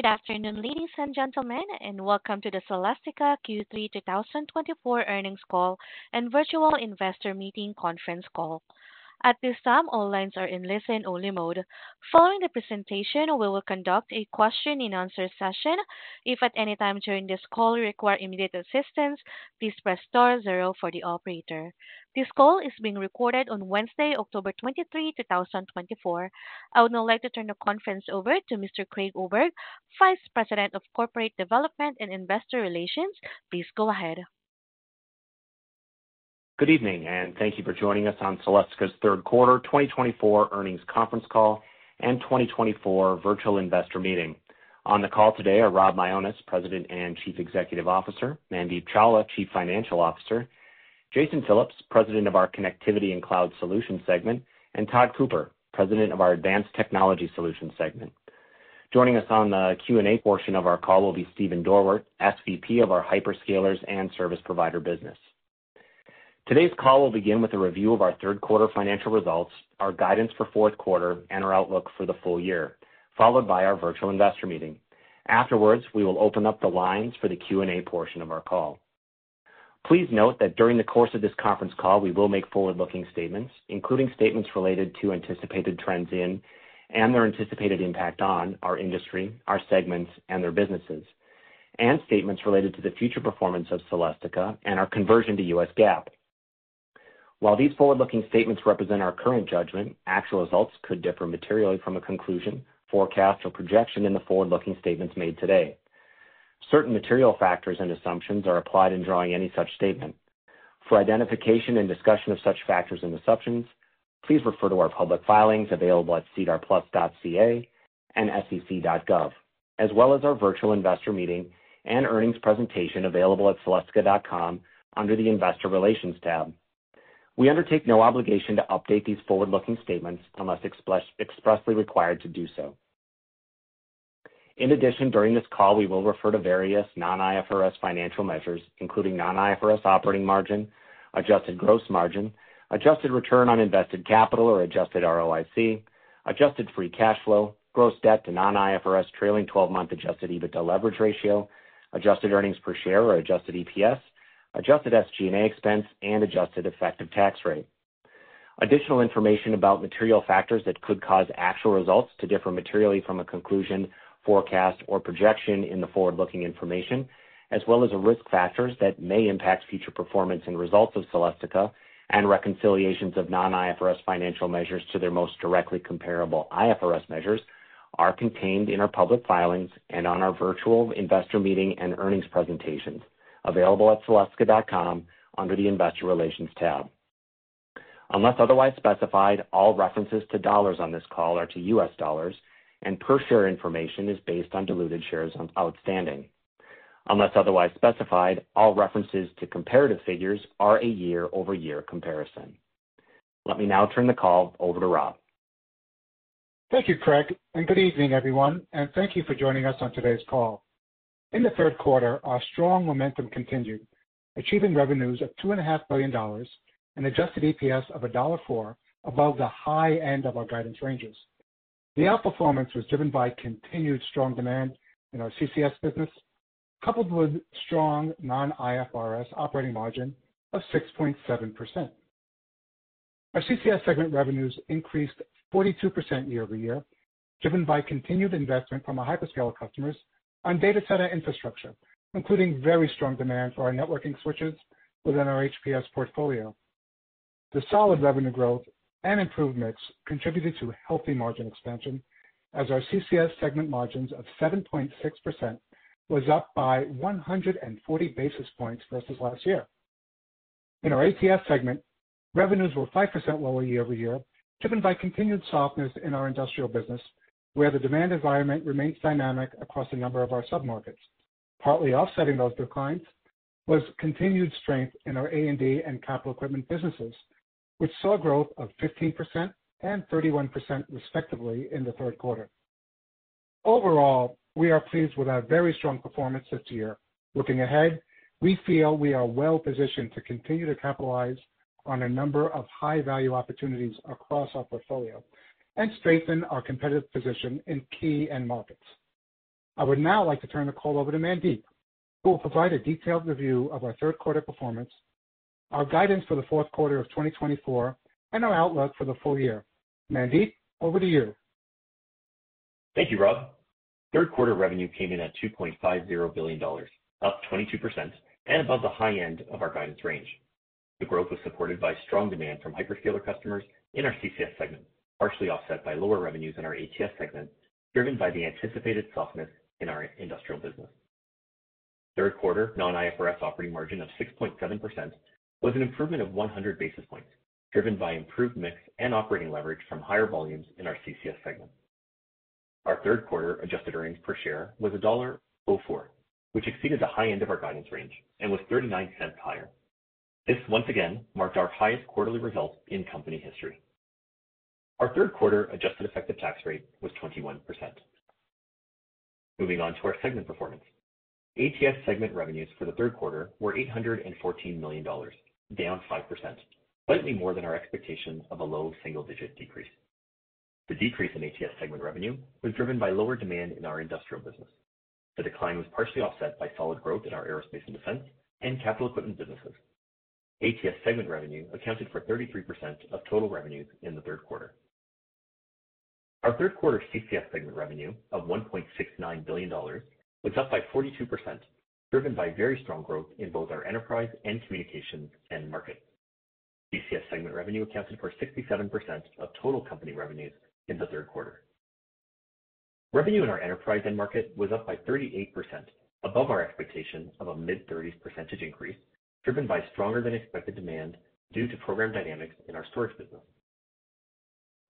Good afternoon, ladies and gentlemen, and welcome to the Celestica Q3 2024 earnings call and Virtual Investor Meeting conference call. At this time, all lines are in listen-only mode. Following the presentation, we will conduct a question-and-answer session. If at any time during this call you require immediate assistance, please press star zero for the operator. This call is being recorded on Wednesday, October 23, 2024. I would now like to turn the conference over to Mr. Craig Oberg, Vice President of Corporate Development and Investor Relations. Please go ahead. Good evening, and thank you for joining us on Celestica's third quarter 2024 earnings conference call and 2024 virtual investor meeting. On the call today are Rob Mionis, President and Chief Executive Officer, Mandeep Chawla, Chief Financial Officer, Jason Phillips, President of our Connectivity and Cloud Solutions segment, and Todd Cooper, President of our Advanced Technology Solutions segment. Joining us on the Q&A portion of our call will be Stephen Dorwart, SVP of our Hyperscalers and Service Provider business. Today's call will begin with a review of our third quarter financial results, our guidance for fourth quarter, and our outlook for the full year, followed by our virtual investor meeting. Afterwards, we will open up the lines for the Q&A portion of our call. Please note that during the course of this conference call, we will make forward-looking statements, including statements related to anticipated trends in, and their anticipated impact on, our industry, our segments, and their businesses, and statements related to the future performance of Celestica and our conversion to U.S. GAAP. While these forward-looking statements represent our current judgment, actual results could differ materially from a conclusion, forecast, or projection in the forward-looking statements made today. Certain material factors and assumptions are applied in drawing any such statement. For identification and discussion of such factors and assumptions, please refer to our public filings available at sedarplus.ca and sec.gov, as well as our virtual investor meeting and earnings presentation available at celestica.com under the Investor Relations tab. We undertake no obligation to update these forward-looking statements unless expressly required to do so. In addition, during this call, we will refer to various non-IFRS financial measures, including non-IFRS operating margin, adjusted gross margin, adjusted return on invested capital or adjusted ROIC, adjusted free cash flow, gross debt to non-IFRS trailing-twelve-month adjusted EBITDA leverage ratio, adjusted earnings per share or adjusted EPS, adjusted SG&A expense, and adjusted effective tax rate. Additional information about material factors that could cause actual results to differ materially from a conclusion, forecast, or projection in the forward-looking information, as well as the risk factors that may impact future performance and results of Celestica and reconciliations of non-IFRS financial measures to their most directly comparable IFRS measures, are contained in our public filings and on our virtual investor meeting and earnings presentations available at celestica.com under the Investor Relations tab. Unless otherwise specified, all references to dollars on this call are to U.S. dollars, and per share information is based on diluted shares outstanding. Unless otherwise specified, all references to comparative figures are a year-over-year comparison. Let me now turn the call over to Rob. Thank you, Craig, and good evening, everyone, and thank you for joining us on today's call. In the third quarter, our strong momentum continued, achieving revenues of $2.5 billion and adjusted EPS of $1.04 above the high end of our guidance ranges. The outperformance was driven by continued strong demand in our CCS business, coupled with strong non-IFRS operating margin of 6.7%. Our CCS segment revenues increased 42% year-over-year, driven by continued investment from our hyperscaler customers on data center infrastructure, including very strong demand for our networking switches within our HPS portfolio. The solid revenue growth and improved mix contributed to a healthy margin expansion, as our CCS segment margins of 7.6% was up by 140 basis points versus last year. In our ATS segment, revenues were 5% lower year-over-year, driven by continued softness in our industrial business, where the demand environment remains dynamic across a number of our submarkets. Partly offsetting those declines was continued strength in our A&D and capital equipment businesses, which saw growth of 15% and 31%, respectively, in the third quarter. Overall, we are pleased with our very strong performance this year. Looking ahead, we feel we are well positioned to continue to capitalize on a number of high-value opportunities across our portfolio and strengthen our competitive position in key end markets. I would now like to turn the call over to Mandeep, who will provide a detailed review of our third quarter performance, our guidance for the fourth quarter of 2024, and our outlook for the full year. Mandeep, over to you. Thank you, Rob. Third quarter revenue came in at $2.50 billion, up 22% and above the high end of our guidance range. The growth was supported by strong demand from hyperscaler customers in our CCS segment, partially offset by lower revenues in our ATS segment, driven by the anticipated softness in our industrial business. Third quarter non-IFRS operating margin of 6.7% was an improvement of 100 basis points, driven by improved mix and operating leverage from higher volumes in our CCS segment. Our third quarter adjusted earnings per share was $1.04, which exceeded the high end of our guidance range and was 39 cents higher. This, once again, marked our highest quarterly result in company history. Our third quarter adjusted effective tax rate was 21%. Moving on to our segment performance. ATS segment revenues for the third quarter were $814 million, down 5%, slightly more than our expectations of a low single-digit decrease. The decrease in ATS segment revenue was driven by lower demand in our industrial business. The decline was partially offset by solid growth in our aerospace and defense and capital equipment businesses. ATS segment revenue accounted for 33% of total revenues in the third quarter. Our third quarter CCS segment revenue of $1.69 billion was up by 42%, driven by very strong growth in both our enterprise and communications end market. CCS segment revenue accounted for 67% of total company revenues in the third quarter. Revenue in our enterprise end market was up by 38%, above our expectation of a mid-thirties percentage increase, driven by stronger than expected demand due to program dynamics in our storage business.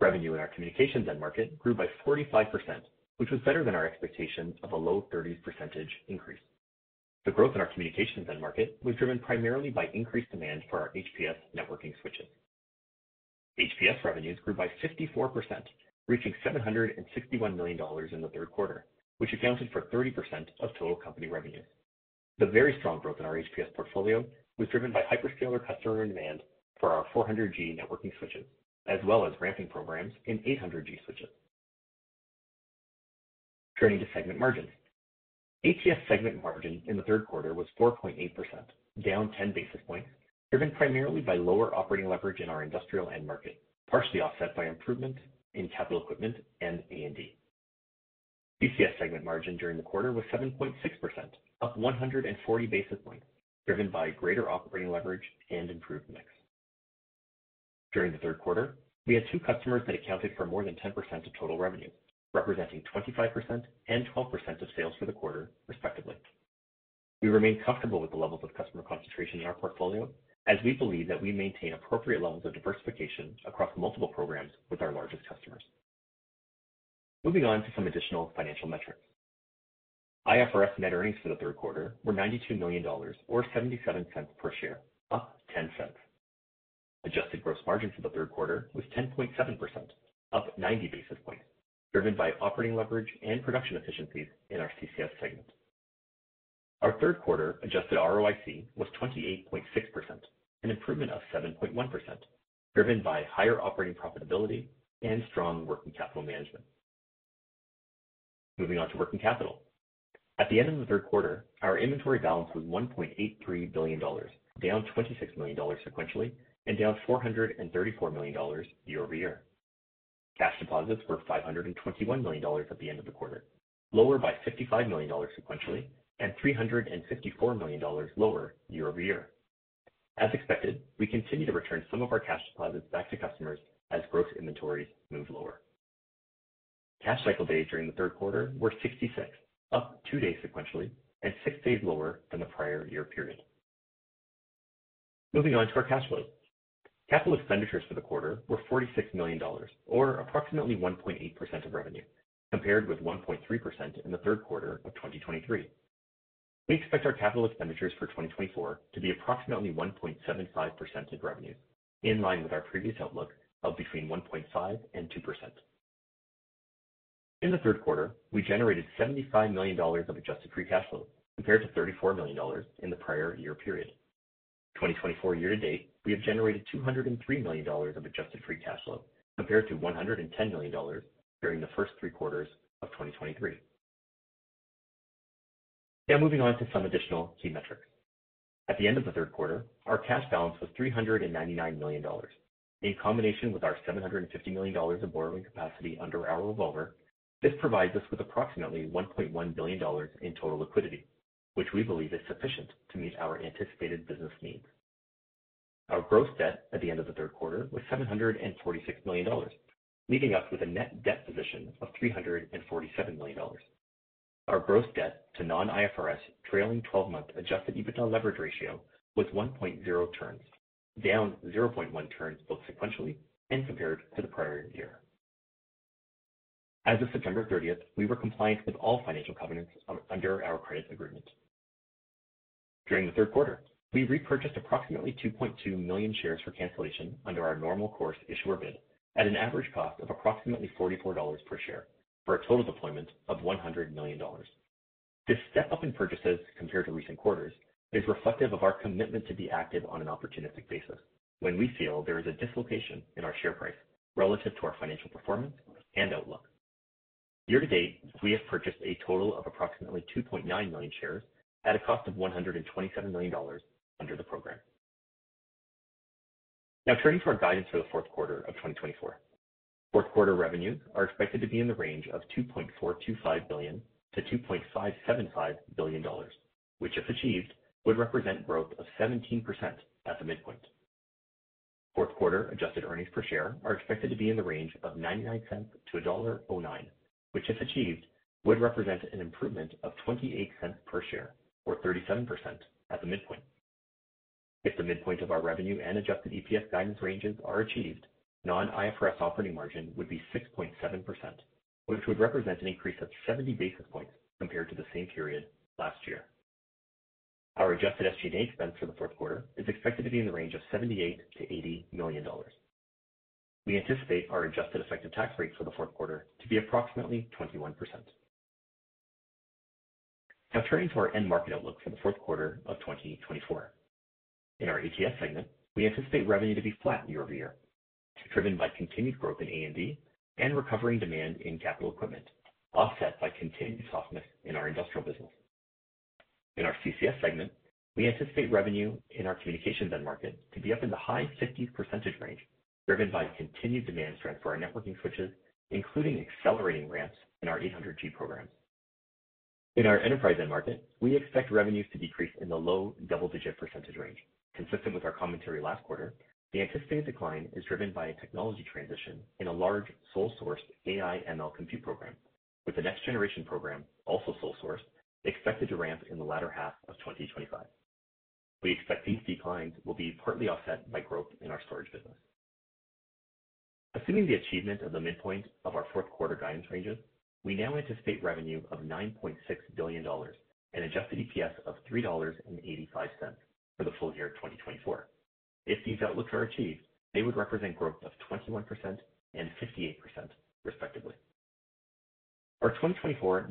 Revenue in our communications end market grew by 45%, which was better than our expectation of a low thirties percentage increase. The growth in our communications end market was driven primarily by increased demand for our HPS networking switches. HPS revenues grew by 54%, reaching $761 million in the third quarter, which accounted for 30% of total company revenue. The very strong growth in our HPS portfolio was driven by hyperscaler customer demand for our 400G networking switches, as well as ramping programs in 800G switches. Turning to segment margins. ATS segment margin in the third quarter was 4.8%, down 10 basis points, driven primarily by lower operating leverage in our industrial end market, partially offset by improvement in capital equipment and A&D. CCS segment margin during the quarter was 7.6%, up 140 basis points, driven by greater operating leverage and improved mix. During the third quarter, we had two customers that accounted for more than 10% of total revenue, representing 25% and 12% of sales for the quarter, respectively. We remain comfortable with the levels of customer concentration in our portfolio, as we believe that we maintain appropriate levels of diversification across multiple programs with our largest customers. Moving on to some additional financial metrics. IFRS net earnings for the third quarter were $92 million, or $0.77 per share, up $0.10. Adjusted gross margin for the third quarter was 10.7%, up ninety basis points, driven by operating leverage and production efficiencies in our CCS segment. Our third quarter adjusted ROIC was 28.6%, an improvement of 7.1%, driven by higher operating profitability and strong working capital management. Moving on to working capital. At the end of the third quarter, our inventory balance was $1.83 billion, down $26 million sequentially and down $434 million year-over-year. Cash deposits were $521 million at the end of the quarter, lower by $55 million sequentially and $354 million lower year-over-year. As expected, we continue to return some of our cash deposits back to customers as gross inventories move lower. Cash cycle days during the third quarter were 66, up two days sequentially and six days lower than the prior year period. Moving on to our cash flows. Capital expenditures for the quarter were $46 million, or approximately 1.8% of revenue, compared with 1.3% in the third quarter of 2023. We expect our capital expenditures for 2024 to be approximately 1.75% of revenue, in line with our previous outlook of between 1.5% and 2%. In the third quarter, we generated $75 million of adjusted free cash flow, compared to $34 million in the prior year period. 2024 year to date, we have generated $203 million of adjusted free cash flow, compared to $110 million during the first three quarters of 2023. Now moving on to some additional key metrics. At the end of the third quarter, our cash balance was $399 million. In combination with our $750 million of borrowing capacity under our revolver, this provides us with approximately $1.1 billion in total liquidity, which we believe is sufficient to meet our anticipated business needs. Our gross debt at the end of the third quarter was $746 million, leaving us with a net debt position of $347 million. Our gross debt to non-IFRS trailing twelve-month adjusted EBITDA leverage ratio was 1.0 turns, down 0.1 turns both sequentially and compared to the prior year. As of September 30, we were compliant with all financial covenants under our credit agreement. During the third quarter, we repurchased approximately 2.2 million shares for cancellation under our normal course issuer bid at an average cost of approximately $44 per share, for a total deployment of $100 million. This step up in purchases compared to recent quarters is reflective of our commitment to be active on an opportunistic basis when we feel there is a dislocation in our share price relative to our financial performance and outlook. Year to date, we have purchased a total of approximately 2.9 million shares at a cost of $127 million under the program. Now turning to our guidance for the fourth quarter of 2024. Fourth quarter revenues are expected to be in the range of $2.425 billion-$2.575 billion, which, if achieved, would represent growth of 17% at the midpoint. Fourth quarter adjusted earnings per share are expected to be in the range of $0.99-$1.09, which, if achieved, would represent an improvement of 28 cents per share or 37% at the midpoint. If the midpoint of our revenue and adjusted EPS guidance ranges are achieved, non-IFRS operating margin would be 6.7%, which would represent an increase of 70 basis points compared to the same period last year. Our adjusted SG&A expense for the fourth quarter is expected to be in the range of $78 million-$80 million. We anticipate our adjusted effective tax rate for the fourth quarter to be approximately 21%. Now turning to our end market outlook for the fourth quarter of 2024. In our ATS segment, we anticipate revenue to be flat year-over-year, driven by continued growth in A&D and recovering demand in capital equipment, offset by continued softness in our industrial business. In our CCS segment, we anticipate revenue in our communications end market to be up in the high 50s percentage range, driven by continued demand strength for our networking switches, including accelerating ramps in our 800G program. In our enterprise end market, we expect revenues to decrease in the low double-digit percentage range, consistent with our commentary last quarter. The anticipated decline is driven by a technology transition in a large sole source AI ML compute program, with the next generation program, also sole source, expected to ramp in the latter half of 2025. We expect these declines will be partly offset by growth in our storage business. Assuming the achievement of the midpoint of our fourth quarter guidance ranges, we now anticipate revenue of $9.6 billion and adjusted EPS of $3.85 for the full year of 2024. If these outlooks are achieved, they would represent growth of 21% and 58%, respectively. Our 2024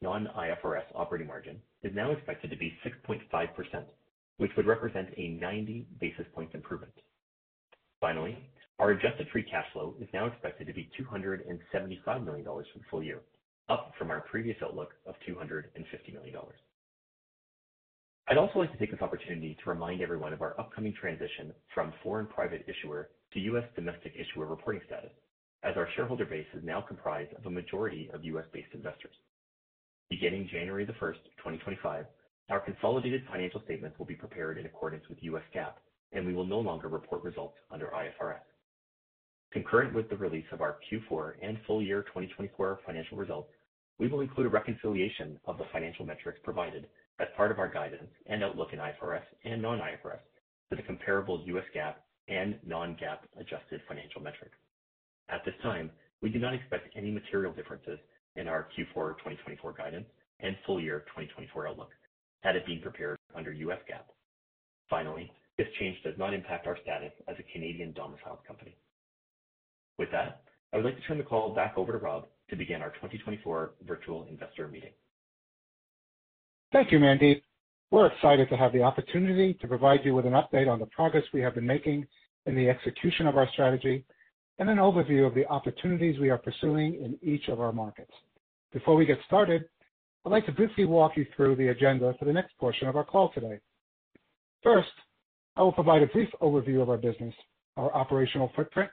non-IFRS operating margin is now expected to be 6.5%, which would represent a 90 basis points improvement. Finally, our adjusted free cash flow is now expected to be $275 million for the full year, up from our previous outlook of $250 million. I'd also like to take this opportunity to remind everyone of our upcoming transition from foreign private issuer to U.S. domestic issuer reporting status, as our shareholder base is now comprised of a majority of U.S.-based investors. Beginning January 1, 2025, our consolidated financial statements will be prepared in accordance with U.S. GAAP, and we will no longer report results under IFRS. Concurrent with the release of our Q4 and full year 2024 financial results, we will include a reconciliation of the financial metrics provided as part of our guidance and outlook in IFRS and non-IFRS for the comparable U.S. GAAP and non-GAAP adjusted financial metric. At this time, we do not expect any material differences in our Q4 2024 guidance and full year 2024 outlook had it been prepared under U.S. GAAP. Finally, this change does not impact our status as a Canadian domiciled company. With that, I would like to turn the call back over to Rob to begin our 2024 virtual investor meeting. Thank you, Mandeep. We're excited to have the opportunity to provide you with an update on the progress we have been making in the execution of our strategy and an overview of the opportunities we are pursuing in each of our markets. Before we get started, I'd like to briefly walk you through the agenda for the next portion of our call today. First, I will provide a brief overview of our business, our operational footprint,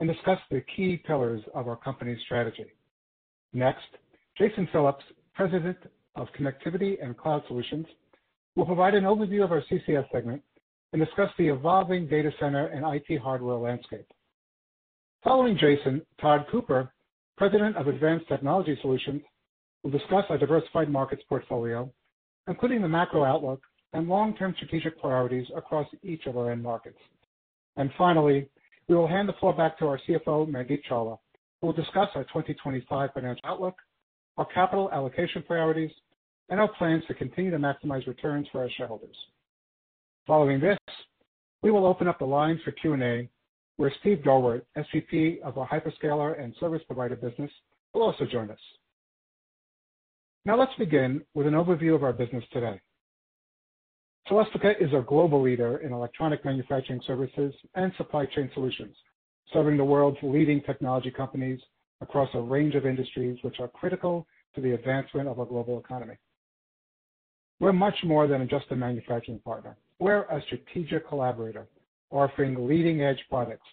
and discuss the key pillars of our company's strategy. Next, Jason Phillips, President of Connectivity and Cloud Solutions, will provide an overview of our CCS segment and discuss the evolving data center and IT hardware landscape. Following Jason, Todd Cooper, President of Advanced Technology Solutions, will discuss our diversified markets portfolio, including the macro outlook and long-term strategic priorities across each of our end markets. Finally, we will hand the floor back to our CFO, Mandeep Chawla, who will discuss our 2025 financial outlook, our capital allocation priorities, and our plans to continue to maximize returns for our shareholders. Following this, we will open up the line for Q&A, where Stephen Dorwart, SVP of our Hyperscalers and Service Provider business, will also join us. Now, let's begin with an overview of our business today. Celestica is a global leader in electronic manufacturing services and supply chain solutions, serving the world's leading technology companies across a range of industries which are critical to the advancement of our global economy. We're much more than just a manufacturing partner. We're a strategic collaborator, offering leading-edge products,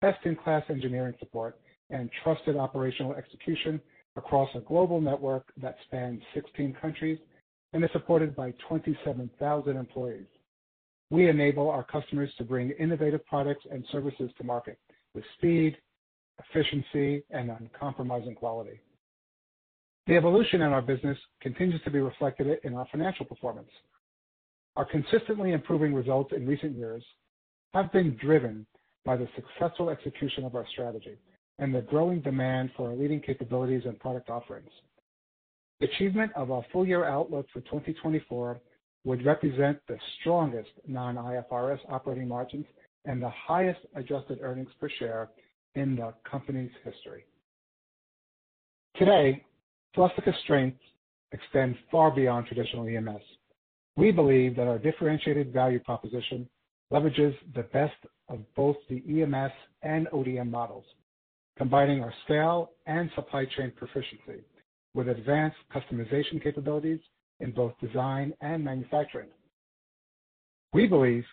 best-in-class engineering support, and trusted operational execution across a global network that spans 16 countries and is supported by 27,000 employees. We enable our customers to bring innovative products and services to market with speed, efficiency, and uncompromising quality. The evolution in our business continues to be reflected in our financial performance. Our consistently improving results in recent years have been driven by the successful execution of our strategy and the growing demand for our leading capabilities and product offerings. Achievement of our full-year outlook for 2024 would represent the strongest non-IFRS operating margins and the highest adjusted earnings per share in the company's history. Today, Celestica's strengths extend far beyond traditional EMS. We believe that our differentiated value proposition leverages the best of both the EMS and ODM models, combining our scale and supply chain proficiency with advanced customization capabilities in both design and manufacturing. We believe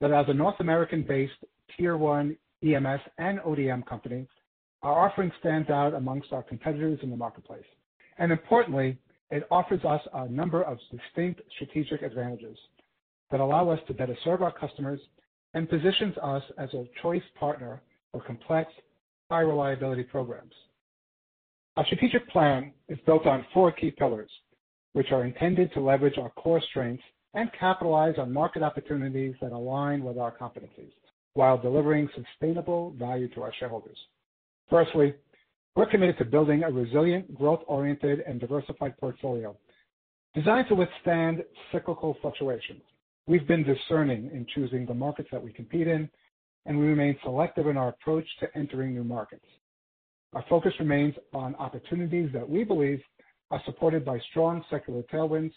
that as a North American-based tier-one EMS and ODM company, our offerings stand out among our competitors in the marketplace, and importantly, it offers us a number of distinct strategic advantages that allow us to better serve our customers and positions us as a choice partner for complex, high-reliability programs. Our strategic plan is built on four key pillars, which are intended to leverage our core strengths and capitalize on market opportunities that align with our competencies while delivering sustainable value to our shareholders.... Firstly, we're committed to building a resilient, growth-oriented, and diversified portfolio designed to withstand cyclical fluctuations. We've been discerning in choosing the markets that we compete in, and we remain selective in our approach to entering new markets. Our focus remains on opportunities that we believe are supported by strong secular tailwinds,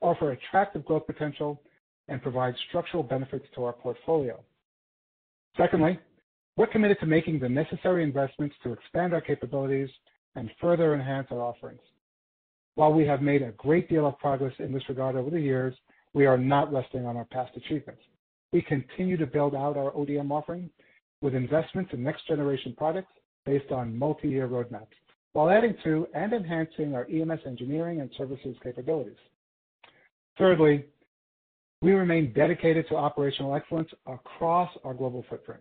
offer attractive growth potential, and provide structural benefits to our portfolio. Secondly, we're committed to making the necessary investments to expand our capabilities and further enhance our offerings. While we have made a great deal of progress in this regard over the years, we are not resting on our past achievements. We continue to build out our ODM offering with investments in next-generation products based on multiyear roadmaps, while adding to and enhancing our EMS engineering and services capabilities. Thirdly, we remain dedicated to operational excellence across our global footprint.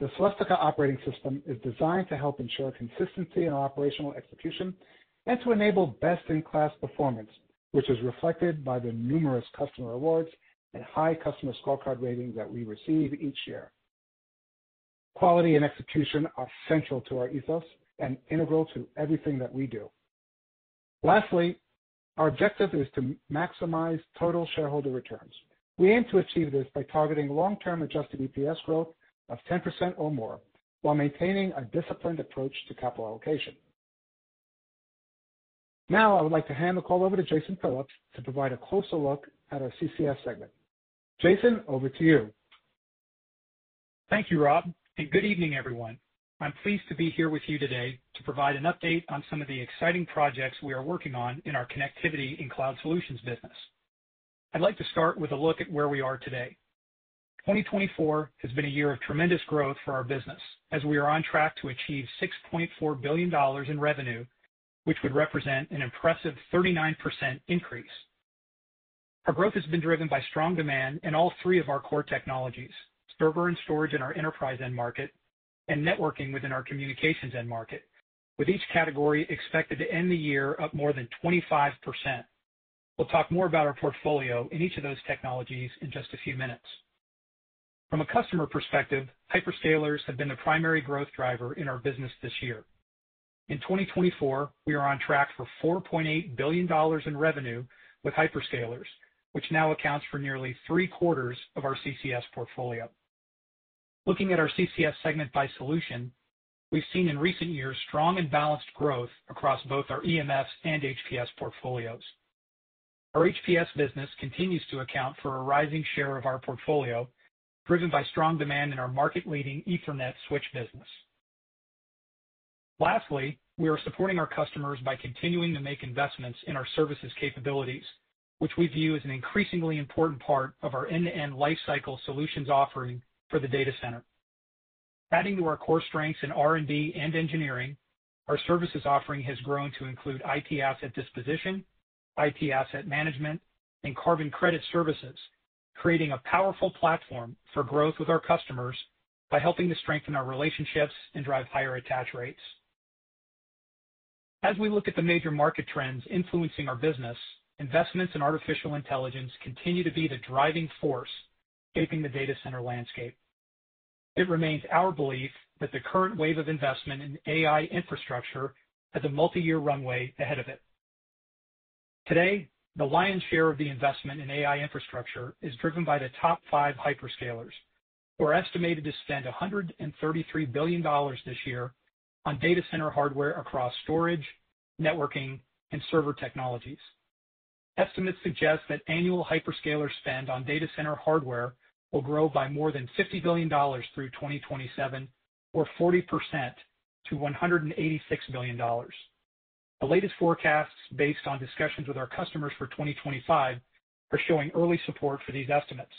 The Celestica operating system is designed to help ensure consistency in our operational execution and to enable best-in-class performance, which is reflected by the numerous customer awards and high customer scorecard ratings that we receive each year. Quality and execution are central to our ethos and integral to everything that we do. Lastly, our objective is to maximize total shareholder returns. We aim to achieve this by targeting long-term adjusted EPS growth of 10% or more, while maintaining a disciplined approach to capital allocation. Now, I would like to hand the call over to Jason Phillips to provide a closer look at our CCS segment. Jason, over to you. Thank you, Rob, and good evening, everyone. I'm pleased to be here with you today to provide an update on some of the exciting projects we are working on in our connectivity and cloud solutions business. I'd like to start with a look at where we are today. 2024 has been a year of tremendous growth for our business, as we are on track to achieve $6.4 billion in revenue, which would represent an impressive 39% increase. Our growth has been driven by strong demand in all three of our core technologies, server and storage in our enterprise end market, and networking within our communications end market, with each category expected to end the year up more than 25%. We'll talk more about our portfolio in each of those technologies in just a few minutes. From a customer perspective, hyperscalers have been the primary growth driver in our business this year. In 2024, we are on track for $4.8 billion in revenue with hyperscalers, which now accounts for nearly three-quarters of our CCS portfolio. Looking at our CCS segment by solution, we've seen in recent years strong and balanced growth across both our EMS and HPS portfolios. Our HPS business continues to account for a rising share of our portfolio, driven by strong demand in our market-leading Ethernet switch business. Lastly, we are supporting our customers by continuing to make investments in our services capabilities, which we view as an increasingly important part of our end-to-end life cycle solutions offering for the data center. Adding to our core strengths in R&D and engineering, our services offering has grown to include IT asset disposition, IT asset management, and carbon credit services, creating a powerful platform for growth with our customers by helping to strengthen our relationships and drive higher attach rates. As we look at the major market trends influencing our business, investments in artificial intelligence continue to be the driving force shaping the data center landscape. It remains our belief that the current wave of investment in AI infrastructure has a multiyear runway ahead of it. Today, the lion's share of the investment in AI infrastructure is driven by the top five hyperscalers, who are estimated to spend $133 billion this year on data center hardware across storage, networking, and server technologies. Estimates suggest that annual hyperscaler spend on data center hardware will grow by more than $50 billion through 2027 or 40% to $186 billion. The latest forecasts, based on discussions with our customers for 2025, are showing early support for these estimates.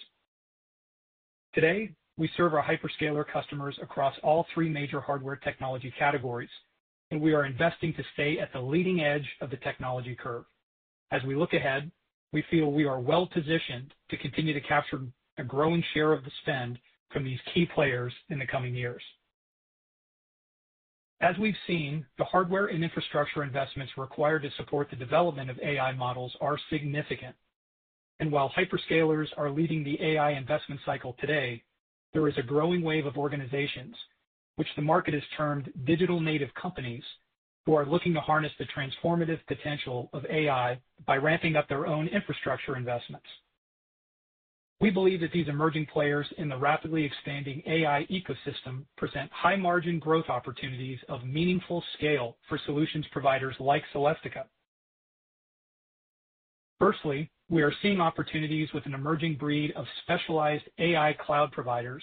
Today, we serve our hyperscaler customers across all three major hardware technology categories, and we are investing to stay at the leading edge of the technology curve. As we look ahead, we feel we are well positioned to continue to capture a growing share of the spend from these key players in the coming years. As we've seen, the hardware and infrastructure investments required to support the development of AI models are significant, and while hyperscalers are leading the AI investment cycle today, there is a growing wave of organizations which the market has termed digital native companies, who are looking to harness the transformative potential of AI by ramping up their own infrastructure investments. We believe that these emerging players in the rapidly expanding AI ecosystem present high-margin growth opportunities of meaningful scale for solutions providers like Celestica. Firstly, we are seeing opportunities with an emerging breed of specialized AI cloud providers,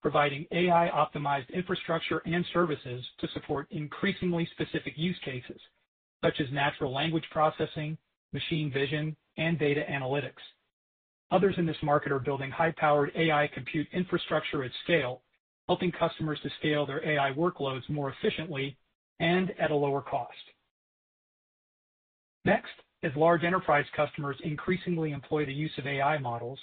providing AI-optimized infrastructure and services to support increasingly specific use cases, such as natural language processing, machine vision, and data analytics. Others in this market are building high-powered AI compute infrastructure at scale, helping customers to scale their AI workloads more efficiently and at a lower cost. Next, as large enterprise customers increasingly employ the use of AI models,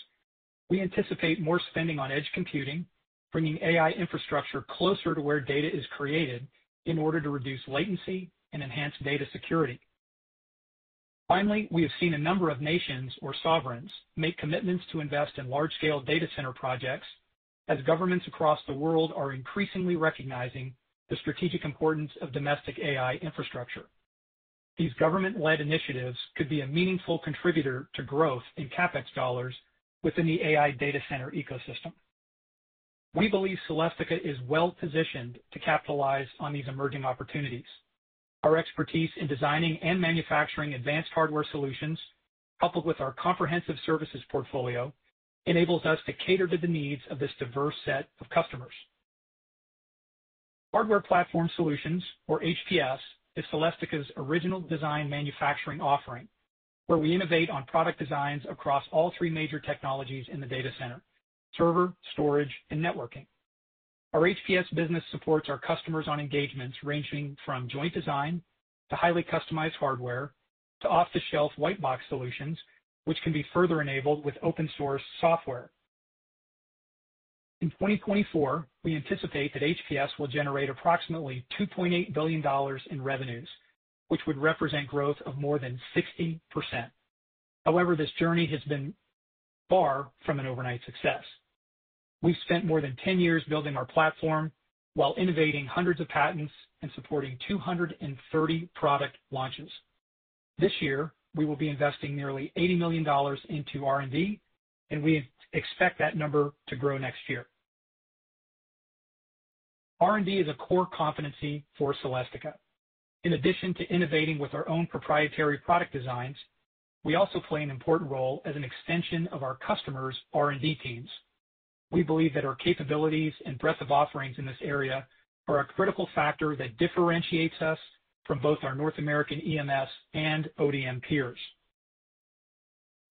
we anticipate more spending on edge computing, bringing AI infrastructure closer to where data is created in order to reduce latency and enhance data security. Finally, we have seen a number of nations or sovereigns make commitments to invest in large-scale data center projects, as governments across the world are increasingly recognizing the strategic importance of domestic AI infrastructure. These government-led initiatives could be a meaningful contributor to growth in CapEx dollars within the AI data center ecosystem. We believe Celestica is well positioned to capitalize on these emerging opportunities. Our expertise in designing and manufacturing advanced hardware solutions, coupled with our comprehensive services portfolio, enables us to cater to the needs of this diverse set of customers. Hardware Platform Solutions, or HPS, is Celestica's original design manufacturing offering, where we innovate on product designs across all three major technologies in the data center: server, storage, and networking. Our HPS business supports our customers on engagements ranging from joint design to highly customized hardware to off-the-shelf white box solutions, which can be further enabled with open source software. In 2024, we anticipate that HPS will generate approximately $2.8 billion in revenues, which would represent growth of more than 60%. However, this journey has been far from an overnight success. We've spent more than 10 years building our platform while innovating hundreds of patents and supporting 230 product launches. This year, we will be investing nearly $80 million into R&D, and we expect that number to grow next year. R&D is a core competency for Celestica. In addition to innovating with our own proprietary product designs, we also play an important role as an extension of our customers' R&D teams. We believe that our capabilities and breadth of offerings in this area are a critical factor that differentiates us from both our North American EMS and ODM peers.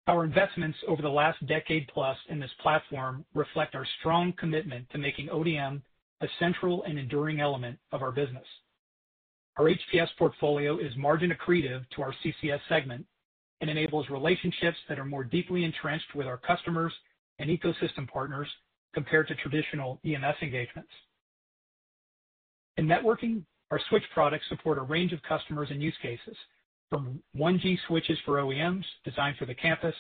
Our investments over the last decade plus in this platform reflect our strong commitment to making ODM a central and enduring element of our business. Our HPS portfolio is margin accretive to our CCS segment and enables relationships that are more deeply entrenched with our customers and ecosystem partners compared to traditional EMS engagements. In networking, our switch products support a range of customers and use cases, from one G switches for OEMs designed for the campus,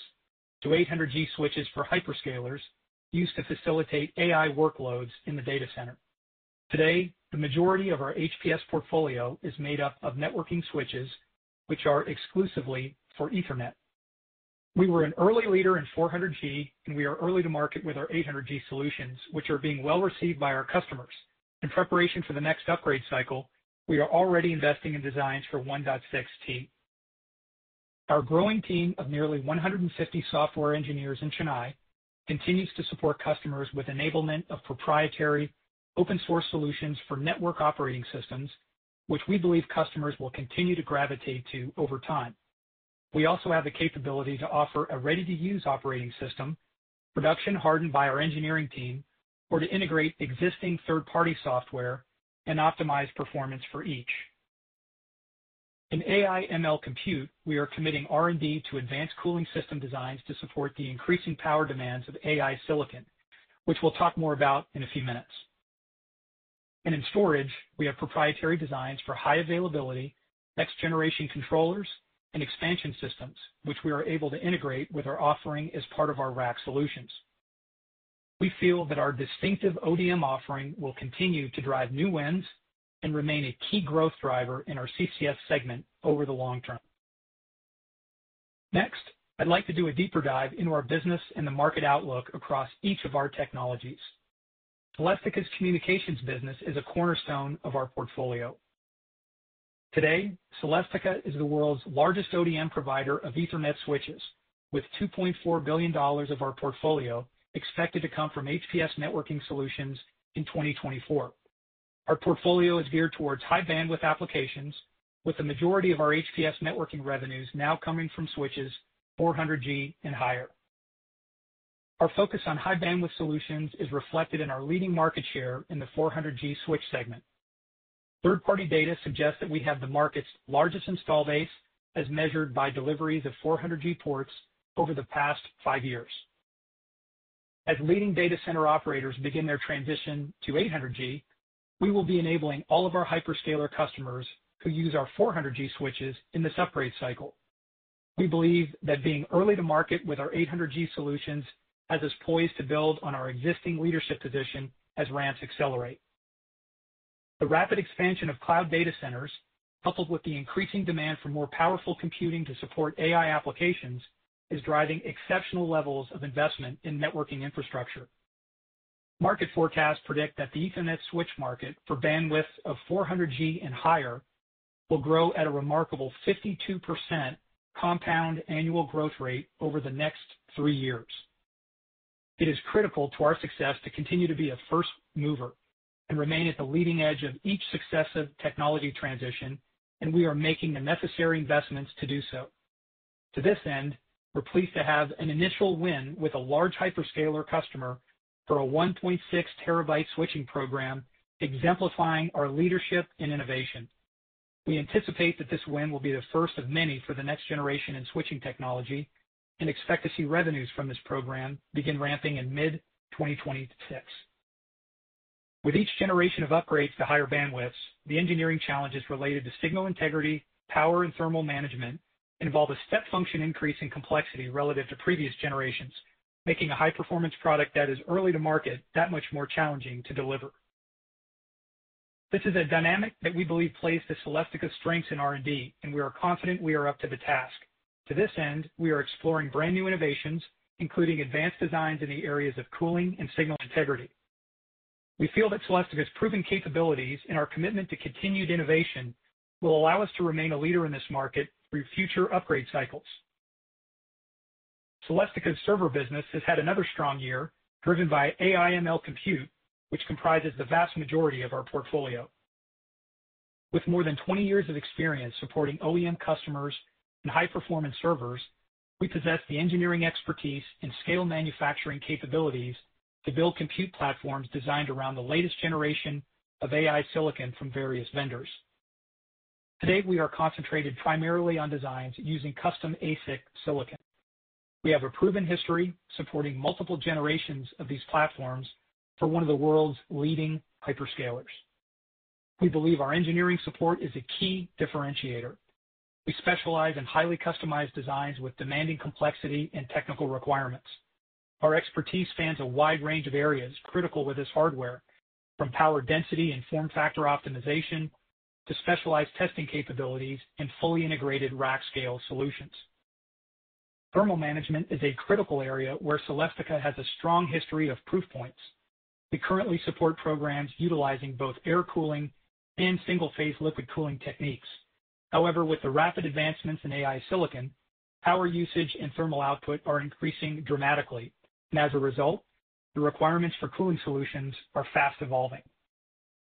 to 800G switches for hyperscalers, used to facilitate AI workloads in the data center. Today, the majority of our HPS portfolio is made up of networking switches, which are exclusively for Ethernet. We were an early leader in 400G, and we are early to market with our 800G solutions, which are being well received by our customers. In preparation for the next upgrade cycle, we are already investing in designs for 1.6T. Our growing team of nearly 150 software engineers in Chennai continues to support customers with enablement of proprietary open source solutions for network operating systems, which we believe customers will continue to gravitate to over time. We also have the capability to offer a ready-to-use operating system, production hardened by our engineering team, or to integrate existing third-party software and optimize performance for each. In AI/ML compute, we are committing R&D to advanced cooling system designs to support the increasing power demands of AI silicon, which we'll talk more about in a few minutes. And in storage, we have proprietary designs for high availability, next-generation controllers, and expansion systems, which we are able to integrate with our offering as part of our rack solutions. We feel that our distinctive ODM offering will continue to drive new wins and remain a key growth driver in our CCS segment over the long term. Next, I'd like to do a deeper dive into our business and the market outlook across each of our technologies. Celestica's communications business is a cornerstone of our portfolio. Today, Celestica is the world's largest ODM provider of Ethernet switches, with $2.4 billion of our portfolio expected to come from HPS networking solutions in 2024. Our portfolio is geared towards high bandwidth applications, with the majority of our HPS networking revenues now coming from switches four hundred G and higher. Our focus on high bandwidth solutions is reflected in our leading market share in the four hundred G switch segment. Third-party data suggests that we have the market's largest install base, as measured by deliveries of four hundred G ports over the past five years. As leading data center operators begin their transition to eight hundred G, we will be enabling all of our hyperscaler customers who use our four hundred G switches in this upgrade cycle. We believe that being early to market with our eight hundred G solutions has us poised to build on our existing leadership position as ramps accelerate. The rapid expansion of cloud data centers, coupled with the increasing demand for more powerful computing to support AI applications, is driving exceptional levels of investment in networking infrastructure. Market forecasts predict that the Ethernet switch market for bandwidth of 400G and higher will grow at a remarkable 52% compound annual growth rate over the next three years. It is critical to our success to continue to be a first mover and remain at the leading edge of each successive technology transition, and we are making the necessary investments to do so. To this end, we're pleased to have an initial win with a large hyperscaler customer for a 1.6 terabyte switching program, exemplifying our leadership and innovation. We anticipate that this win will be the first of many for the next generation in switching technology and expect to see revenues from this program begin ramping in mid-2026. With each generation of upgrades to higher bandwidths, the engineering challenges related to signal integrity, power, and thermal management involve a step function increase in complexity relative to previous generations, making a high-performance product that is early to market that much more challenging to deliver. This is a dynamic that we believe plays to Celestica's strengths in R&D, and we are confident we are up to the task. To this end, we are exploring brand-new innovations, including advanced designs in the areas of cooling and signal integrity. We feel that Celestica's proven capabilities and our commitment to continued innovation will allow us to remain a leader in this market through future upgrade cycles. Celestica's server business has had another strong year, driven by AI/ML compute, which comprises the vast majority of our portfolio. With more than 20 years of experience supporting OEM customers and high-performance servers, we possess the engineering expertise and scale manufacturing capabilities to build compute platforms designed around the latest generation of AI silicon from various vendors. Today, we are concentrated primarily on designs using custom ASIC silicon. We have a proven history supporting multiple generations of these platforms for one of the world's leading hyperscalers. We believe our engineering support is a key differentiator. We specialize in highly customized designs with demanding complexity and technical requirements. Our expertise spans a wide range of areas critical with this hardware, from power density and form factor optimization to specialized testing capabilities and fully integrated rack-scale solutions. Thermal management is a critical area where Celestica has a strong history of proof points. We currently support programs utilizing both air cooling and single-phase liquid cooling techniques. However, with the rapid advancements in AI silicon, power usage and thermal output are increasing dramatically, and as a result, the requirements for cooling solutions are fast evolving.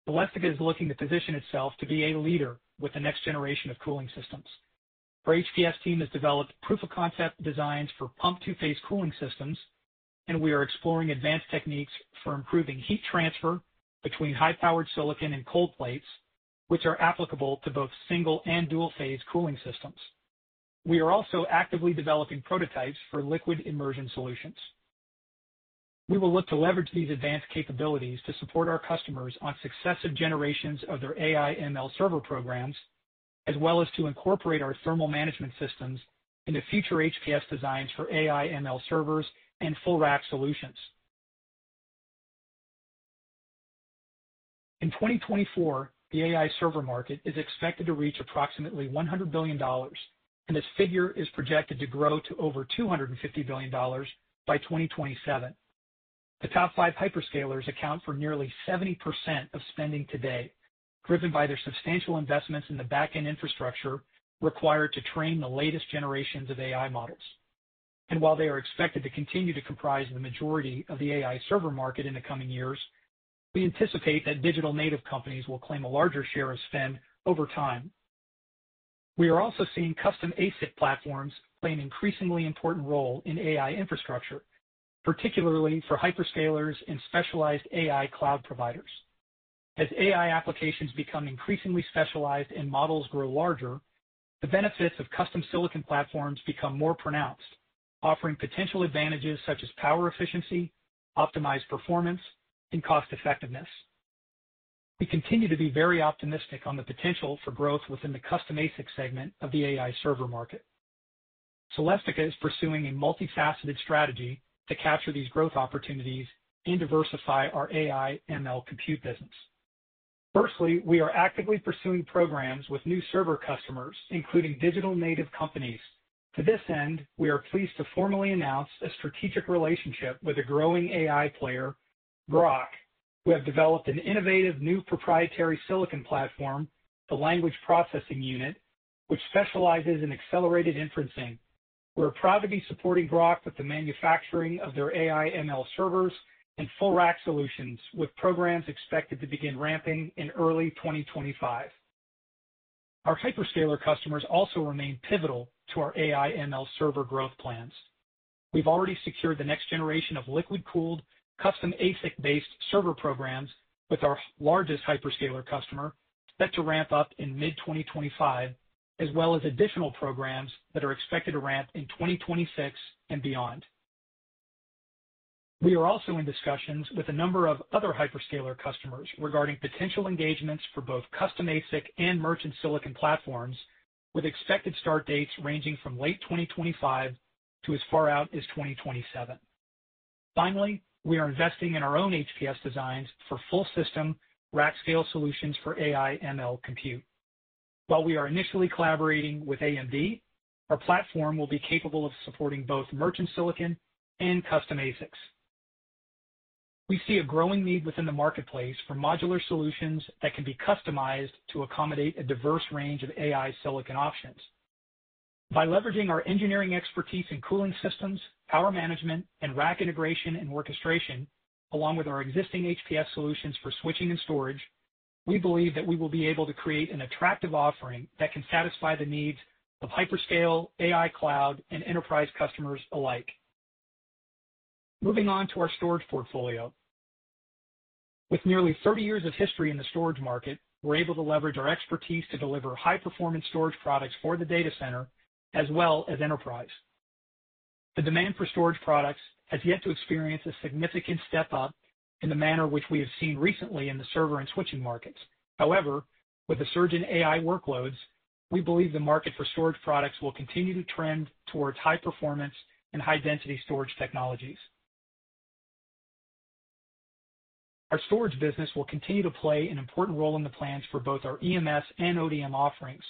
Celestica is looking to position itself to be a leader with the next generation of cooling systems. Our HPS team has developed proof-of-concept designs for pumped two-phase cooling systems, and we are exploring advanced techniques for improving heat transfer between high-powered silicon and cold plates, which are applicable to both single and dual-phase cooling systems. We are also actively developing prototypes for liquid immersion solutions. We will look to leverage these advanced capabilities to support our customers on successive generations of their AI/ML server programs, as well as to incorporate our thermal management systems into future HPS designs for AI/ML servers and full rack solutions. In 2024, the AI server market is expected to reach approximately $100 billion, and this figure is projected to grow to over $250 billion by 2027. The top five hyperscalers account for nearly 70% of spending today, driven by their substantial investments in the back-end infrastructure required to train the latest generations of AI models. And while they are expected to continue to comprise the majority of the AI server market in the coming years, we anticipate that digital native companies will claim a larger share of spend over time. We are also seeing custom ASIC platforms play an increasingly important role in AI infrastructure, particularly for hyperscalers and specialized AI cloud providers. As AI applications become increasingly specialized and models grow larger, the benefits of custom silicon platforms become more pronounced, offering potential advantages such as power efficiency, optimized performance, and cost-effectiveness. We continue to be very optimistic on the potential for growth within the custom ASIC segment of the AI server market. Celestica is pursuing a multifaceted strategy to capture these growth opportunities and diversify our AI/ML compute business. Firstly, we are actively pursuing programs with new server customers, including digital native companies. To this end, we are pleased to formally announce a strategic relationship with a growing AI player, Groq, who have developed an innovative new proprietary silicon platform, the Language Processing Unit, which specializes in accelerated inferencing. We're proud to be supporting Groq with the manufacturing of their AI/ML servers and full rack solutions, with programs expected to begin ramping in early 2025. Our hyperscaler customers also remain pivotal to our AI/ML server growth plans. We've already secured the next generation of liquid-cooled, custom ASIC-based server programs with our largest hyperscaler customer, set to ramp up in mid-2025, as well as additional programs that are expected to ramp in 2026 and beyond. We are also in discussions with a number of other hyperscaler customers regarding potential engagements for both custom ASIC and merchant silicon platforms, with expected start dates ranging from late 2025 to as far out as 2027. Finally, we are investing in our own HPS designs for full system rack-scale solutions for AI/ML compute. While we are initially collaborating with AMD, our platform will be capable of supporting both merchant silicon and custom ASICs. We see a growing need within the marketplace for modular solutions that can be customized to accommodate a diverse range of AI silicon options. By leveraging our engineering expertise in cooling systems, power management, and rack integration and orchestration, along with our existing HPS solutions for switching and storage, we believe that we will be able to create an attractive offering that can satisfy the needs of hyperscaler, AI cloud, and enterprise customers alike. Moving on to our storage portfolio. With nearly thirty years of history in the storage market, we're able to leverage our expertise to deliver high-performance storage products for the data center as well as enterprise. The demand for storage products has yet to experience a significant step up in the manner which we have seen recently in the server and switching markets. However, with the surge in AI workloads, we believe the market for storage products will continue to trend towards high performance and high density storage technologies. Our storage business will continue to play an important role in the plans for both our EMS and ODM offerings,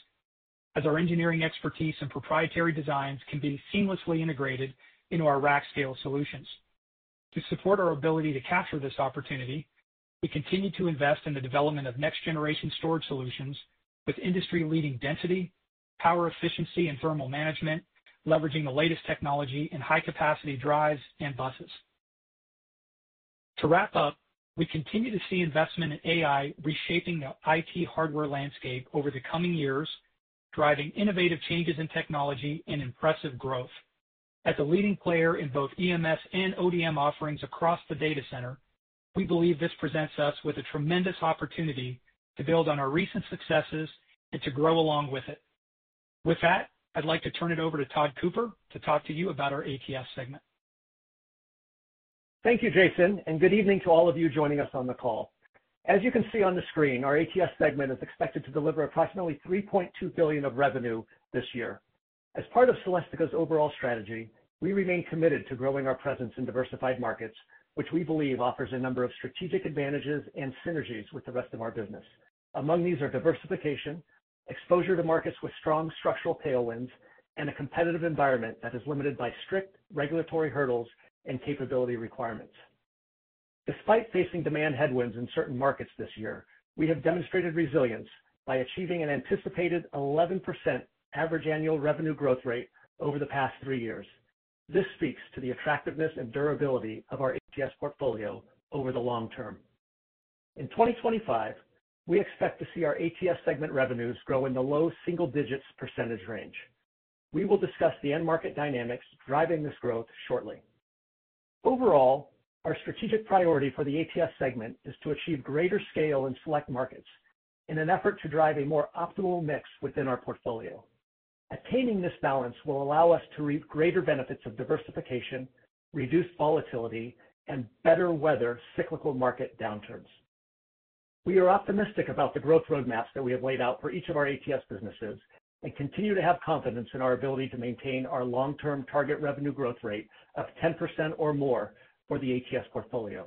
as our engineering expertise and proprietary designs can be seamlessly integrated into our rack scale solutions. To support our ability to capture this opportunity, we continue to invest in the development of next-generation storage solutions with industry-leading density, power efficiency, and thermal management, leveraging the latest technology in high-capacity drives and buses. To wrap up, we continue to see investment in AI reshaping the IT hardware landscape over the coming years, driving innovative changes in technology and impressive growth. As a leading player in both EMS and ODM offerings across the data center, we believe this presents us with a tremendous opportunity to build on our recent successes and to grow along with it. With that, I'd like to turn it over to Todd Cooper to talk to you about our ATS segment. Thank you, Jason, and good evening to all of you joining us on the call. As you can see on the screen, our ATS segment is expected to deliver approximately $3.2 billion of revenue this year. As part of Celestica's overall strategy, we remain committed to growing our presence in diversified markets, which we believe offers a number of strategic advantages and synergies with the rest of our business. Among these are diversification, exposure to markets with strong structural tailwinds, and a competitive environment that is limited by strict regulatory hurdles and capability requirements. Despite facing demand headwinds in certain markets this year, we have demonstrated resilience by achieving an anticipated 11% average annual revenue growth rate over the past three years. This speaks to the attractiveness and durability of our ATS portfolio over the long term. In 2025, we expect to see our ATS segment revenues grow in the low single digits % range. We will discuss the end market dynamics driving this growth shortly. Overall, our strategic priority for the ATS segment is to achieve greater scale in select markets in an effort to drive a more optimal mix within our portfolio. Attaining this balance will allow us to reap greater benefits of diversification, reduce volatility, and better weather cyclical market downturns. We are optimistic about the growth roadmaps that we have laid out for each of our ATS businesses and continue to have confidence in our ability to maintain our long-term target revenue growth rate of 10% or more for the ATS portfolio.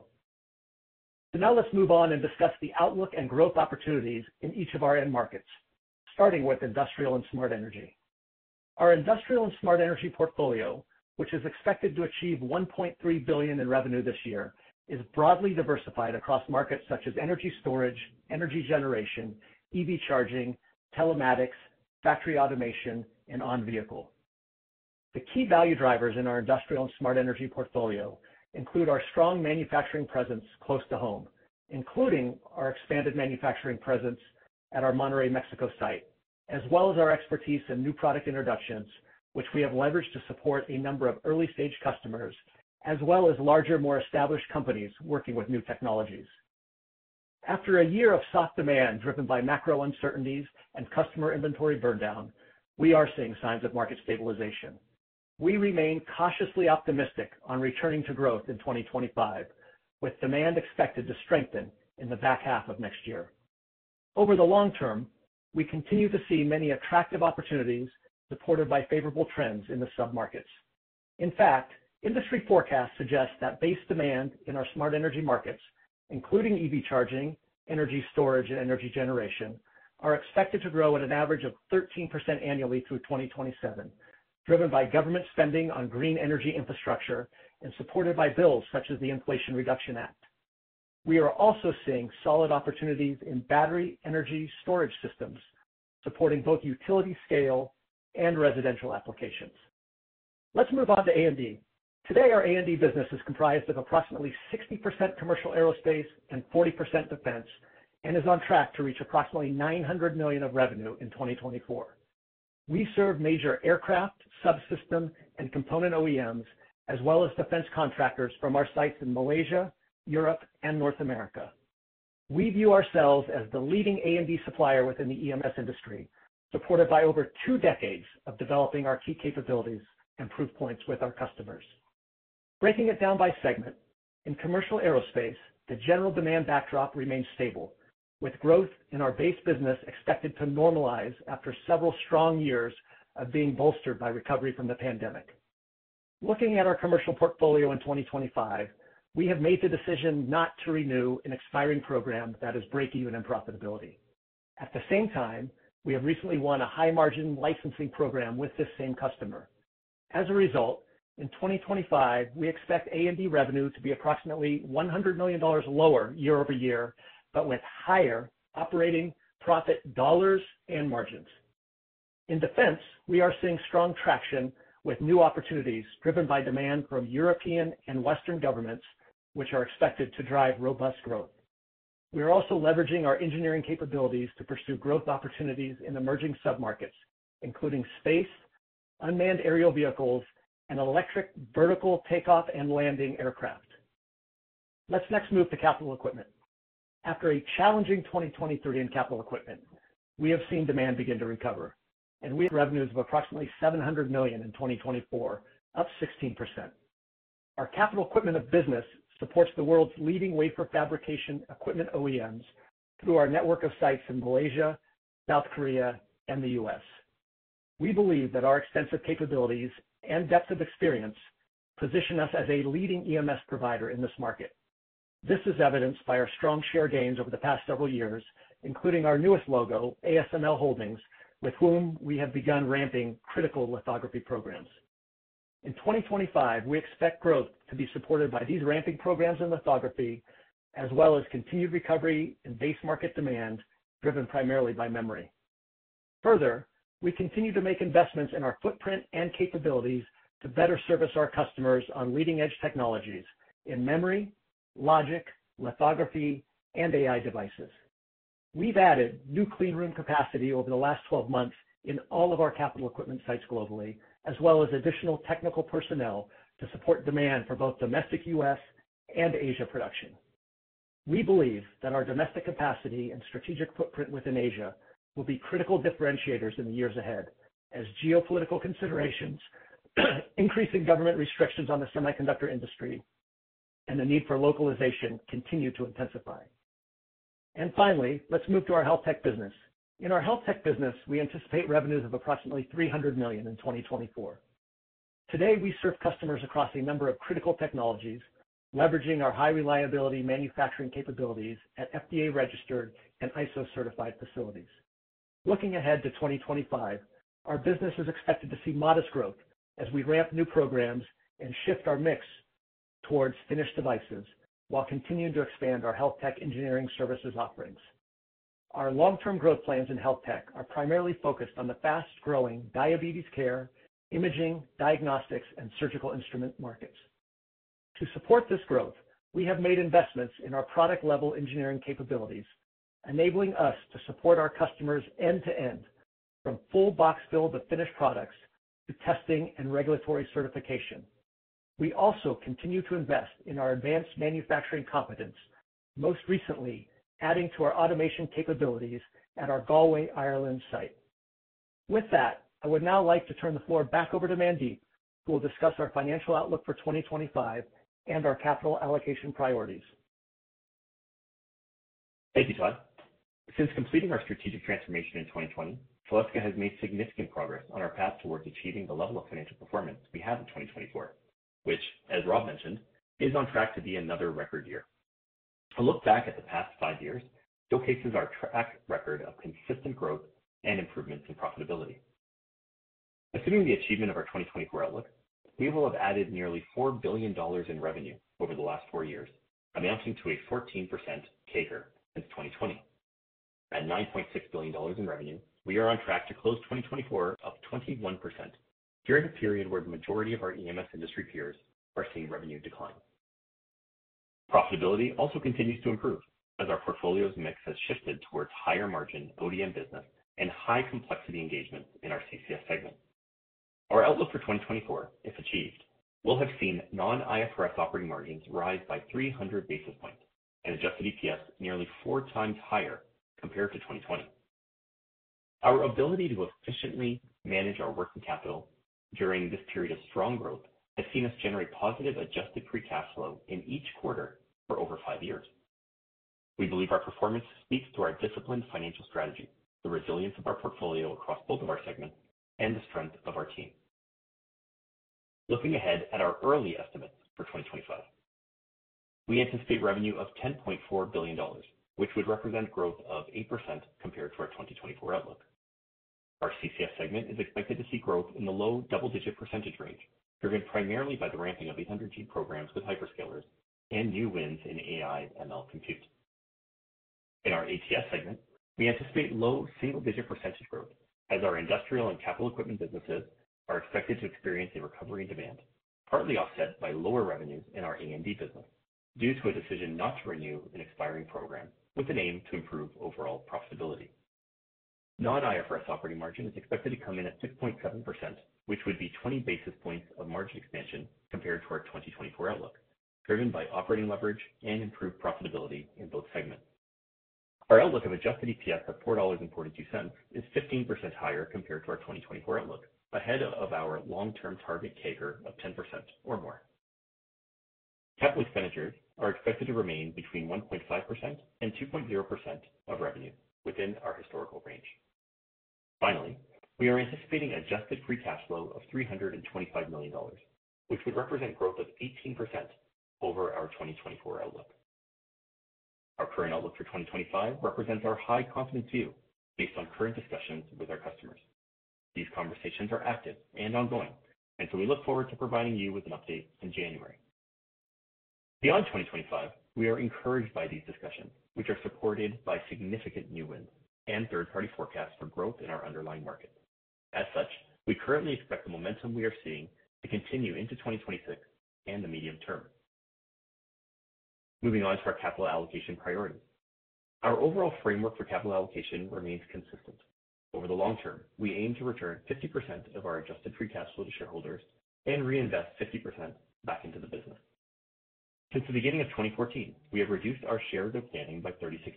So now let's move on and discuss the outlook and growth opportunities in each of our end markets, starting with industrial and smart energy. Our industrial and smart energy portfolio, which is expected to achieve $1.3 billion in revenue this year, is broadly diversified across markets such as energy storage, energy generation, EV charging, telematics, factory automation, and on-vehicle. The key value drivers in our industrial and smart energy portfolio include our strong manufacturing presence close to home, including our expanded manufacturing presence at our Monterrey, Mexico site, as well as our expertise in new product introductions, which we have leveraged to support a number of early-stage customers, as well as larger, more established companies working with new technologies. After a year of soft demand, driven by macro uncertainties and customer inventory burndown, we are seeing signs of market stabilization. We remain cautiously optimistic on returning to growth in 2025, with demand expected to strengthen in the back half of next year. Over the long term, we continue to see many attractive opportunities supported by favorable trends in the submarkets. In fact, industry forecasts suggest that base demand in our smart energy markets, including EV charging, energy storage, and energy generation, are expected to grow at an average of 13% annually through 2027, driven by government spending on green energy infrastructure and supported by bills such as the Inflation Reduction Act. We are also seeing solid opportunities in battery energy storage systems, supporting both utility scale and residential applications. Let's move on to A&D. Today, our A&D business is comprised of approximately 60% commercial aerospace and 40% defense and is on track to reach approximately $900 million of revenue in 2024. We serve major aircraft, subsystem, and component OEMs, as well as defense contractors from our sites in Malaysia, Europe, and North America. We view ourselves as the leading A&D supplier within the EMS industry, supported by over two decades of developing our key capabilities and proof points with our customers. Breaking it down by segment, in commercial aerospace, the general demand backdrop remains stable, with growth in our base business expected to normalize after several strong years of being bolstered by recovery from the pandemic. Looking at our commercial portfolio in 2025, we have made the decision not to renew an expiring program that is breakeven and profitability. At the same time, we have recently won a high-margin licensing program with this same customer. As a result, in 2025, we expect A&D revenue to be approximately $100 million lower year-over-year, but with higher operating profit dollars and margins. In defense, we are seeing strong traction with new opportunities driven by demand from European and Western governments, which are expected to drive robust growth. We are also leveraging our engineering capabilities to pursue growth opportunities in emerging submarkets, including space, unmanned aerial vehicles, and electric vertical takeoff and landing aircraft. Let's next move to capital equipment. After a challenging 2023 in capital equipment, we have seen demand begin to recover, and we have revenues of approximately $700 million in 2024, up 16%. Our capital equipment business supports the world's leading wafer fabrication equipment OEMs through our network of sites in Malaysia, South Korea, and the U.S. We believe that our extensive capabilities and depth of experience position us as a leading EMS provider in this market. This is evidenced by our strong share gains over the past several years, including our newest logo, ASML Holding, with whom we have begun ramping critical lithography programs. In 2025, we expect growth to be supported by these ramping programs in lithography, as well as continued recovery in base market demand, driven primarily by memory. Further, we continue to make investments in our footprint and capabilities to better service our customers on leading-edge technologies in memory, logic, lithography, and AI devices. We've added new clean room capacity over the last twelve months in all of our capital equipment sites globally, as well as additional technical personnel to support demand for both domestic U.S. and Asia production. We believe that our domestic capacity and strategic footprint within Asia will be critical differentiators in the years ahead as geopolitical considerations, increasing government restrictions on the semiconductor industry, and the need for localization continue to intensify. And finally, let's move to our health tech business. In our health tech business, we anticipate revenues of approximately $300 million in 2024. Today, we serve customers across a number of critical technologies, leveraging our high reliability manufacturing capabilities at FDA-registered and ISO-certified facilities. Looking ahead to 2025, our business is expected to see modest growth as we ramp new programs and shift our mix towards finished devices, while continuing to expand our health tech engineering services offerings. Our long-term growth plans in health tech are primarily focused on the fast-growing diabetes care, imaging, diagnostics, and surgical instrument markets. To support this growth, we have made investments in our product-level engineering capabilities, enabling us to support our customers end-to-end, from full box build of finished products to testing and regulatory certification. We also continue to invest in our advanced manufacturing competence, most recently adding to our automation capabilities at our Galway, Ireland, site. With that, I would now like to turn the floor back over to Mandeep, who will discuss our financial outlook for 2025 and our capital allocation priorities. Thank you, Todd. Since completing our strategic transformation in 2020, Celestica has made significant progress on our path towards achieving the level of financial performance we have in 2024, which, as Rob mentioned, is on track to be another record year. A look back at the past five years showcases our track record of consistent growth and improvements in profitability. Assuming the achievement of our 2024 outlook, we will have added nearly $4 billion in revenue over the last four years, amounting to a 14% CAGR since 2020. At $9.6 billion in revenue, we are on track to close 2024, up 21%, during a period where the majority of our EMS industry peers are seeing revenue declines. Profitability also continues to improve as our portfolio's mix has shifted towards higher margin ODM business and high complexity engagements in our CCS segment. Our outlook for 2024, if achieved, will have seen non-IFRS operating margins rise by 300 basis points and adjusted EPS nearly 4 times higher compared to 2020. Our ability to efficiently manage our working capital during this period of strong growth has seen us generate positive adjusted free cash flow in each quarter for over 5 years. We believe our performance speaks to our disciplined financial strategy, the resilience of our portfolio across both of our segments, and the strength of our team. Looking ahead at our early estimates for 2025, we anticipate revenue of $10.4 billion, which would represent growth of 8% compared to our 2024 outlook. Our CCS segment is expected to see growth in the low double-digit percentage range, driven primarily by the ramping of 800G programs with hyperscalers and new wins in AI/ML compute. In our ATS segment, we anticipate low single-digit percentage growth as our industrial and capital equipment businesses are expected to experience a recovery in demand, partly offset by lower revenues in our AMD business due to a decision not to renew an expiring program with an aim to improve overall profitability. Non-IFRS operating margin is expected to come in at 6.7%, which would be 20 basis points of margin expansion compared to our 2024 outlook, driven by operating leverage and improved profitability in both segments. Our outlook of adjusted EPS of $4.42 is 15% higher compared to our 2024 outlook, ahead of our long-term target CAGR of 10% or more. Capital expenditures are expected to remain between 1.5% and 2.0% of revenue within our historical range. Finally, we are anticipating adjusted free cash flow of $325 million, which would represent growth of 18% over our 2024 outlook. Our current outlook for 2025 represents our high confidence view based on current discussions with our customers. These conversations are active and ongoing, and so we look forward to providing you with an update in January. Beyond 2025, we are encouraged by these discussions, which are supported by significant new wins and third-party forecasts for growth in our underlying market. As such, we currently expect the momentum we are seeing to continue into 2026 and the medium term. Moving on to our capital allocation priorities. Our overall framework for capital allocation remains consistent. Over the long term, we aim to return 50% of our adjusted free cash flow to shareholders and reinvest 50% back into the business. Since the beginning of 2014, we have reduced our shares outstanding by 36%.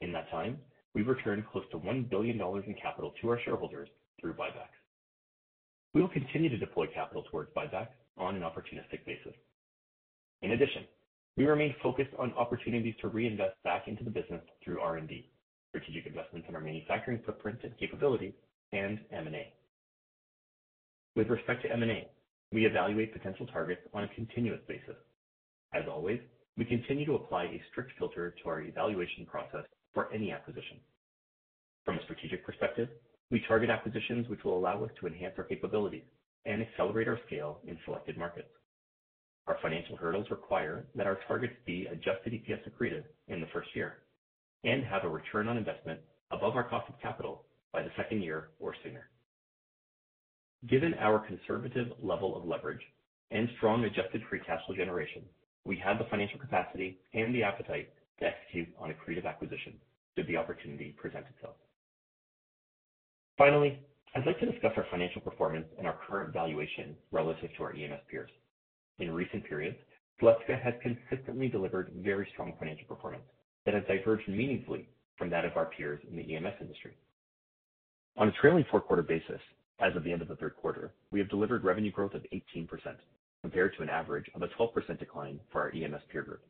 In that time, we've returned close to $1 billion in capital to our shareholders through buybacks. We will continue to deploy capital towards buyback on an opportunistic basis. In addition, we remain focused on opportunities to reinvest back into the business through R&D, strategic investments in our manufacturing footprint and capability, and M&A. With respect to M&A, we evaluate potential targets on a continuous basis. As always, we continue to apply a strict filter to our evaluation process for any acquisition. From a strategic perspective, we target acquisitions which will allow us to enhance our capabilities and accelerate our scale in selected markets. Our financial hurdles require that our targets be adjusted EPS accretive in the first year and have a return on investment above our cost of capital by the second year or sooner. Given our conservative level of leverage and strong adjusted free cash flow generation, we have the financial capacity and the appetite to execute on accretive acquisition should the opportunity present itself. Finally, I'd like to discuss our financial performance and our current valuation relative to our EMS peers. In recent periods, Celestica has consistently delivered very strong financial performance that has diverged meaningfully from that of our peers in the EMS industry. On a trailing four-quarter basis, as of the end of the third quarter, we have delivered revenue growth of 18%, compared to an average of a 12% decline for our EMS peer group.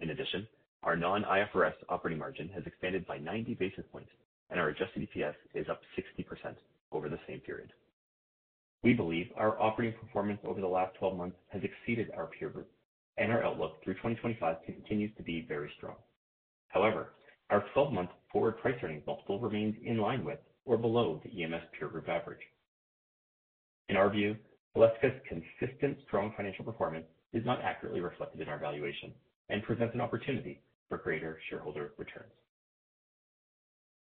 In addition, our non-IFRS operating margin has expanded by 90 basis points, and our adjusted EPS is up 60% over the same period. We believe our operating performance over the last 12 months has exceeded our peer group, and our outlook through 2025 continues to be very strong. However, our 12-month forward price earnings multiple remains in line with or below the EMS peer group average. In our view, Celestica's consistent strong financial performance is not accurately reflected in our valuation and presents an opportunity for greater shareholder returns.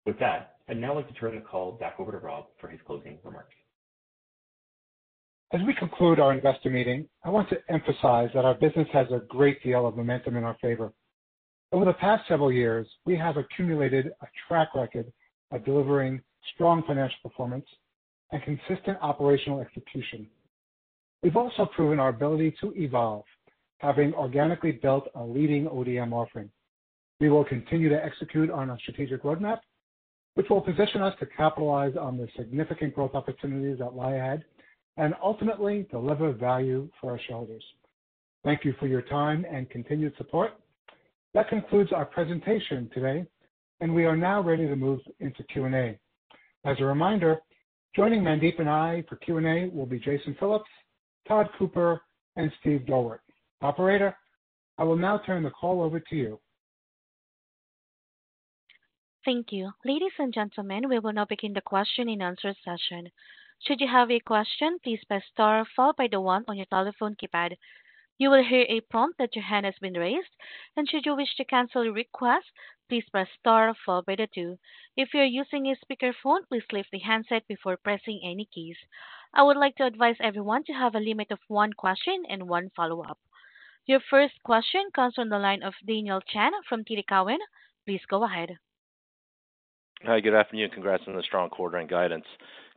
With that, I'd now like to turn the call back over to Rob for his closing remarks. As we conclude our investor meeting, I want to emphasize that our business has a great deal of momentum in our favor. Over the past several years, we have accumulated a track record of delivering strong financial performance and consistent operational execution. We've also proven our ability to evolve, having organically built a leading ODM offering. We will continue to execute on our strategic roadmap, which will position us to capitalize on the significant growth opportunities that lie ahead and ultimately deliver value for our shareholders. Thank you for your time and continued support. That concludes our presentation today, and we are now ready to move into Q&A. As a reminder, joining Mandeep and I for Q&A will be Jason Phillips, Todd Cooper, and Stephen Dorwart. Operator, I will now turn the call over to you. Thank you. Ladies and gentlemen, we will now begin the question-and-answer session. Should you have a question, please press * followed by the 1 on your telephone keypad. You will hear a prompt that your hand has been raised, and should you wish to cancel the request, please press * followed by the 2. If you're using a speakerphone, please lift the handset before pressing any keys. I would like to advise everyone to have a limit of one question and one follow-up. Your first question comes from the line of Daniel Chan from TD Cowen. Please go ahead. Hi, good afternoon, and congrats on the strong quarter and guidance.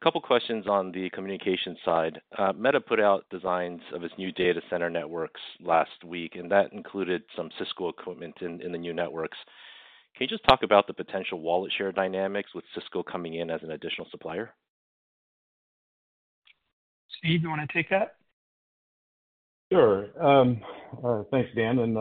Couple questions on the communication side. Meta put out designs of its new data center networks last week, and that included some Cisco equipment in the new networks. Can you just talk about the potential wallet share dynamics with Cisco coming in as an additional supplier? Steve, do you want to take that? Sure. Thanks, Dan, and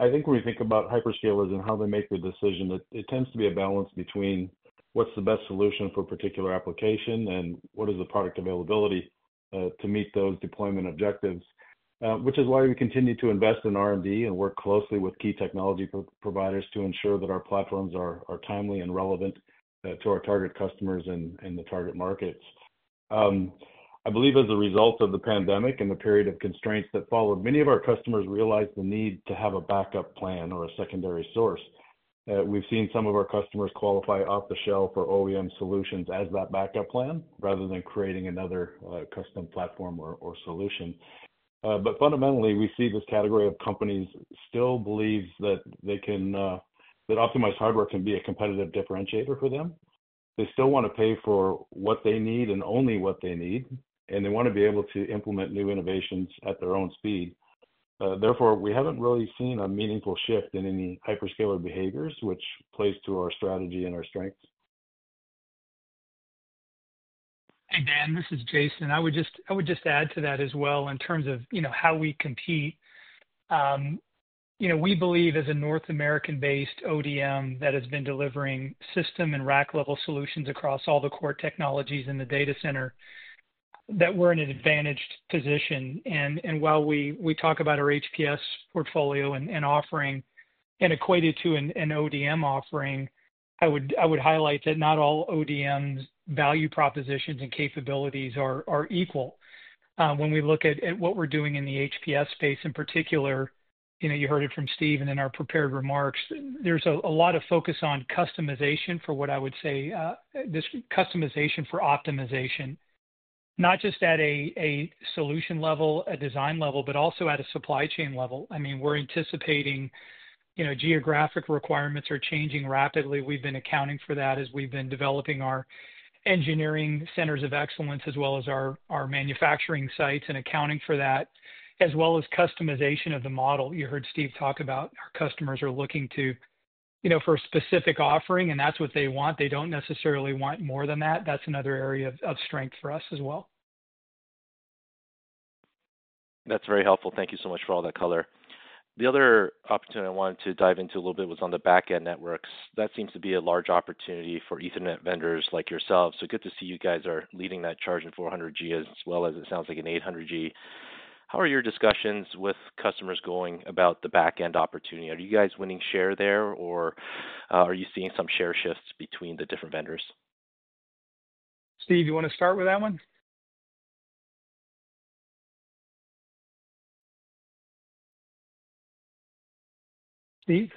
I think when we think about hyperscalers and how they make their decision, that it tends to be a balance between what's the best solution for a particular application and what is the product availability to meet those deployment objectives. Which is why we continue to invest in R&D and work closely with key technology providers to ensure that our platforms are timely and relevant to our target customers and the target markets. I believe as a result of the pandemic and the period of constraints that followed, many of our customers realized the need to have a backup plan or a secondary source. We've seen some of our customers qualify off-the-shelf or OEM solutions as that backup plan, rather than creating another custom platform or solution. But fundamentally, we see this category of companies still believes that optimized hardware can be a competitive differentiator for them. They still want to pay for what they need and only what they need, and they want to be able to implement new innovations at their own speed. Therefore, we haven't really seen a meaningful shift in any hyperscaler behaviors, which plays to our strategy and our strengths. Hey, Dan, this is Jason. I would just add to that as well in terms of, you know, how we compete. You know, we believe as a North American-based ODM that has been delivering system and rack-level solutions across all the core technologies in the data center, that we're in an advantaged position. And while we talk about our HPS portfolio and offering and equate it to an ODM offering, I would highlight that not all ODMs' value propositions and capabilities are equal. When we look at what we're doing in the HPS space in particular, you know, you heard it from Steve and in our prepared remarks, there's a lot of focus on customization for what I would say, this customization for optimization. Not just at a solution level, a design level, but also at a supply chain level. I mean, we're anticipating, you know, geographic requirements are changing rapidly. We've been accounting for that as we've been developing our engineering centers of excellence, as well as our manufacturing sites, and accounting for that, as well as customization of the model. You heard Steve talk about our customers are looking to, you know, for a specific offering, and that's what they want. They don't necessarily want more than that. That's another area of strength for us as well. That's very helpful. Thank you so much for all that color. The other opportunity I wanted to dive into a little bit was on the back-end networks. That seems to be a large opportunity for Ethernet vendors like yourselves. So good to see you guys are leading that charge in 400G as well as it sounds like in 800G. How are your discussions with customers going about the back-end opportunity? Are you guys winning share there, or are you seeing some share shifts between the different vendors? Steve, you want to start with that one? Steve?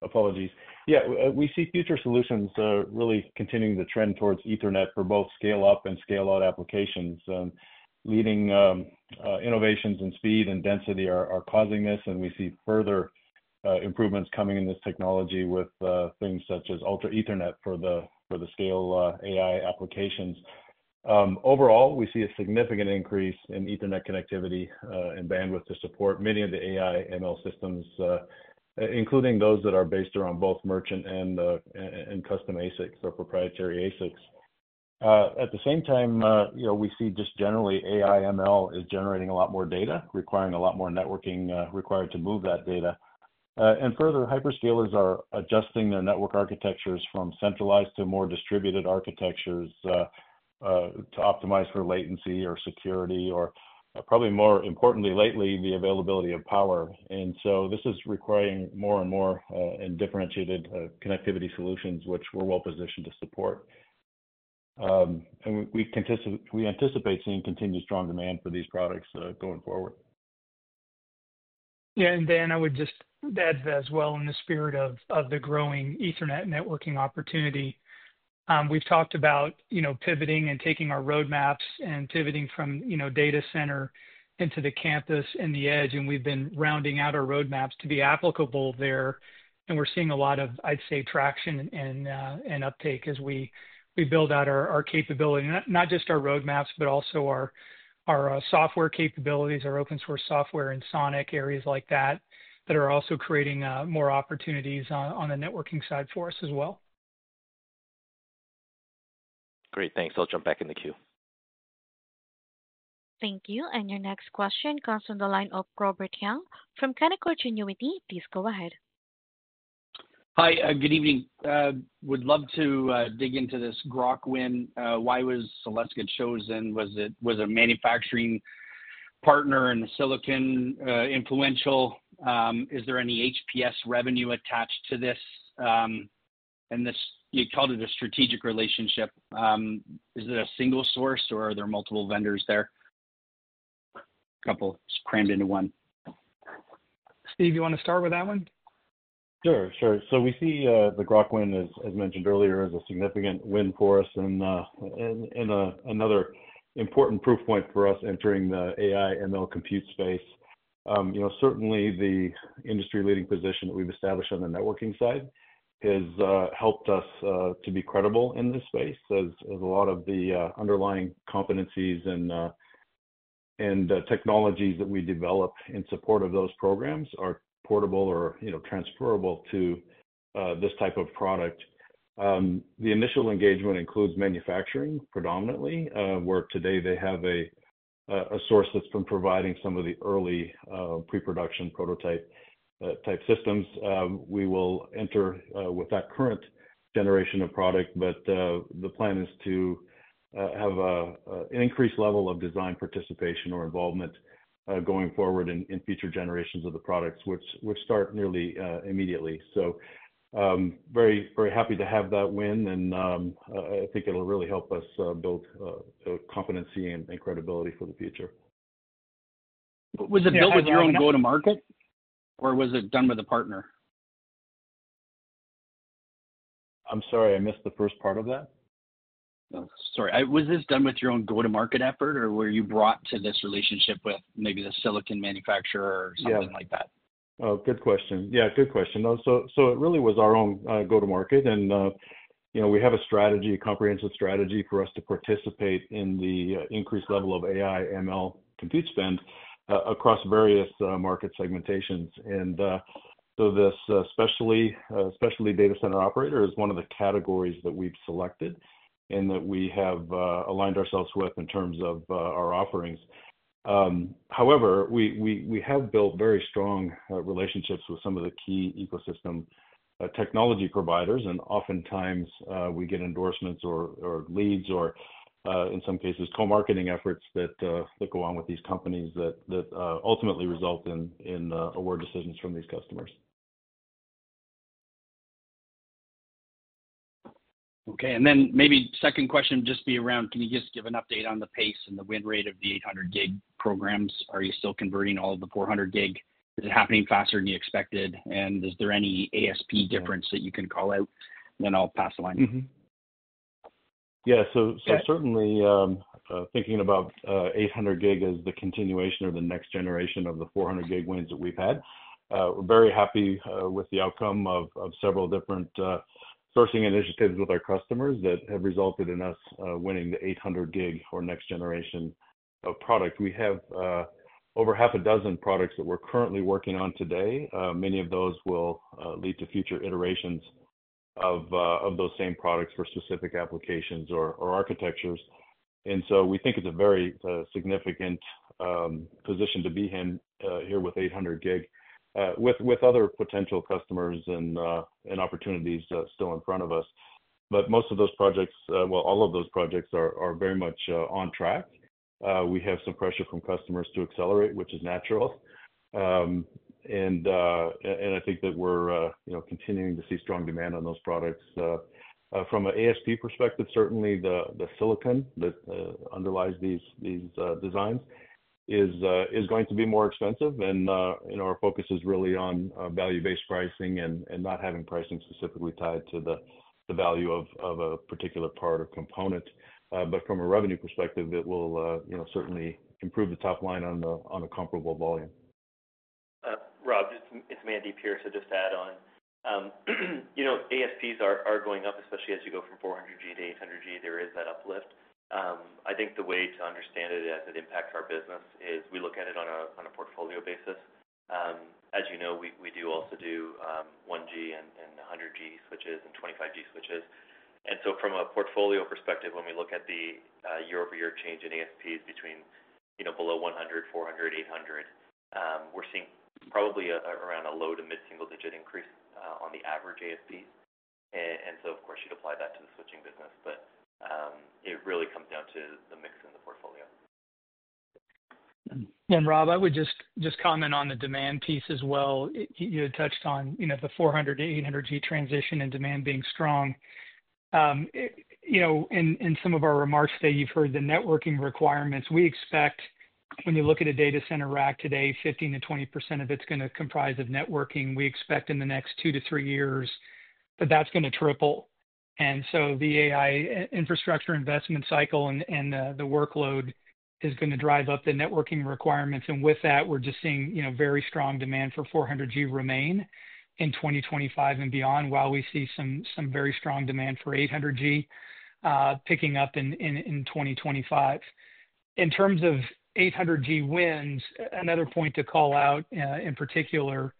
Apologies. Yeah, we see future solutions really continuing to trend towards Ethernet for both scale-up and scale-out applications. Leading innovations in speed and density are causing this, and we see further improvements coming in this technology with things such as Ultra Ethernet for the scale AI applications. Overall, we see a significant increase in Ethernet connectivity and bandwidth to support many of the AI ML systems, including those that are based around both merchant and custom ASICs or proprietary ASICs. At the same time, you know, we see just generally AI ML is generating a lot more data, requiring a lot more networking required to move that data. And further, hyperscalers are adjusting their network architectures from centralized to more distributed architectures, to optimize for latency or security, or probably more importantly, lately, the availability of power. And so this is requiring more and more, and differentiated, connectivity solutions, which we're well positioned to support. And we anticipate seeing continued strong demand for these products, going forward. Yeah, and Dan, I would just add as well, in the spirit of the growing Ethernet networking opportunity, we've talked about, you know, pivoting and taking our roadmaps and pivoting from, you know, data center into the campus and the edge, and we've been rounding out our roadmaps to be applicable there. And we're seeing a lot of, I'd say, traction and uptake as we build out our software capabilities, our open source software and SONiC, areas like that, that are also creating more opportunities on the networking side for us as well. Great, thanks. I'll jump back in the queue. Thank you. And your next question comes from the line of Robert Young from Canaccord Genuity. Please go ahead. Hi, good evening. Would love to dig into this Groq win. Why was Celestica chosen? Was it a manufacturing partner in silicon influential? Is there any HPS revenue attached to this? And this, you called it a strategic relationship. Is it a single source, or are there multiple vendors there? Couple crammed into one. Steve, you want to start with that one? Sure, sure. So we see the Groq win, as mentioned earlier, as a significant win for us and another important proof point for us entering the AI ML compute space. You know, certainly the industry-leading position that we've established on the networking side has helped us to be credible in this space as a lot of the underlying competencies and technologies that we develop in support of those programs are portable or, you know, transferable to this type of product. The initial engagement includes manufacturing predominantly, where today they have a source that's been providing some of the early pre-production prototype type systems. We will enter with that current generation of product, but the plan is to have an increased level of design participation or involvement going forward in future generations of the products, which start nearly immediately. So, very very happy to have that win, and I think it'll really help us build competency and credibility for the future. Was it built with your own go-to-market, or was it done with a partner? I'm sorry, I missed the first part of that. Sorry, was this done with your own go-to-market effort, or were you brought to this relationship with maybe the silicon manufacturer or something like that? Oh, good question. Yeah, good question. So it really was our own go-to-market, and you know, we have a strategy, a comprehensive strategy, for us to participate in the increased level of AI/ML compute spend across various market segmentations. And so this specialty data center operator is one of the categories that we've selected and that we have aligned ourselves with in terms of our offerings. However, we have built very strong relationships with some of the key ecosystem technology providers, and oftentimes, we get endorsements or leads or in some cases, co-marketing efforts that go on with these companies that ultimately result in award decisions from these customers. Okay, and then maybe second question, just around, can you just give an update on the pace and the win rate of the 800G programs? Are you still converting all of the 400G? Is it happening faster than you expected, and is there any ASP difference that you can call out? Then I'll pass the line. Yeah, so certainly thinking about eight hundred gig as the continuation or the next generation of the four hundred gig wins that we've had. We're very happy with the outcome of several different sourcing initiatives with our customers that have resulted in us winning the eight hundred gig for next generation of product. We have over half a dozen products that we're currently working on today. Many of those will lead to future iterations of those same products for specific applications or architectures. And so we think it's a very significant position to be in here with eight hundred gig with other potential customers and opportunities still in front of us. But most of those projects, all of those projects are very much on track. We have some pressure from customers to accelerate, which is natural. And I think that we're you know, continuing to see strong demand on those products. From a ASP perspective, certainly the silicon that underlies these designs is going to be more expensive. And our focus is really on value-based pricing and not having pricing specifically tied to the value of a particular part or component. But from a revenue perspective, it will you know, certainly improve the top line on a comparable volume. Rob, it's Mandeep Chawla. To just add on, you know, ASPs are going up, especially as you go from 400G to 800G, there is that uplift. I think the way to understand it as it impacts our business is we look at it on a portfolio basis. As you know, we also do 1G and 100G switches and 25G switches. And so from a portfolio perspective, when we look at the year-over-year change in ASPs between, you know, below 100, 400, 800, we're seeing probably around a low to mid-single-digit increase on the average ASP. And so of course, you'd apply that to the switching business, but it really comes down to the mix in the portfolio. And Rob, I would just comment on the demand piece as well. You had touched on, you know, the 400G to 800G transition and demand being strong. You know, in some of our remarks today, you've heard the networking requirements. We expect when you look at a data center rack today, 15%-20% of it's gonna comprise of networking. We expect in the next two to three years, that that's gonna triple. And so the AI infrastructure investment cycle and the workload is gonna drive up the networking requirements. And with that, we're just seeing, you know, very strong demand for 400G remain in 2025 and beyond, while we see some very strong demand for 800G picking up in 2025. In terms of 800G wins, another point to call out, in particular,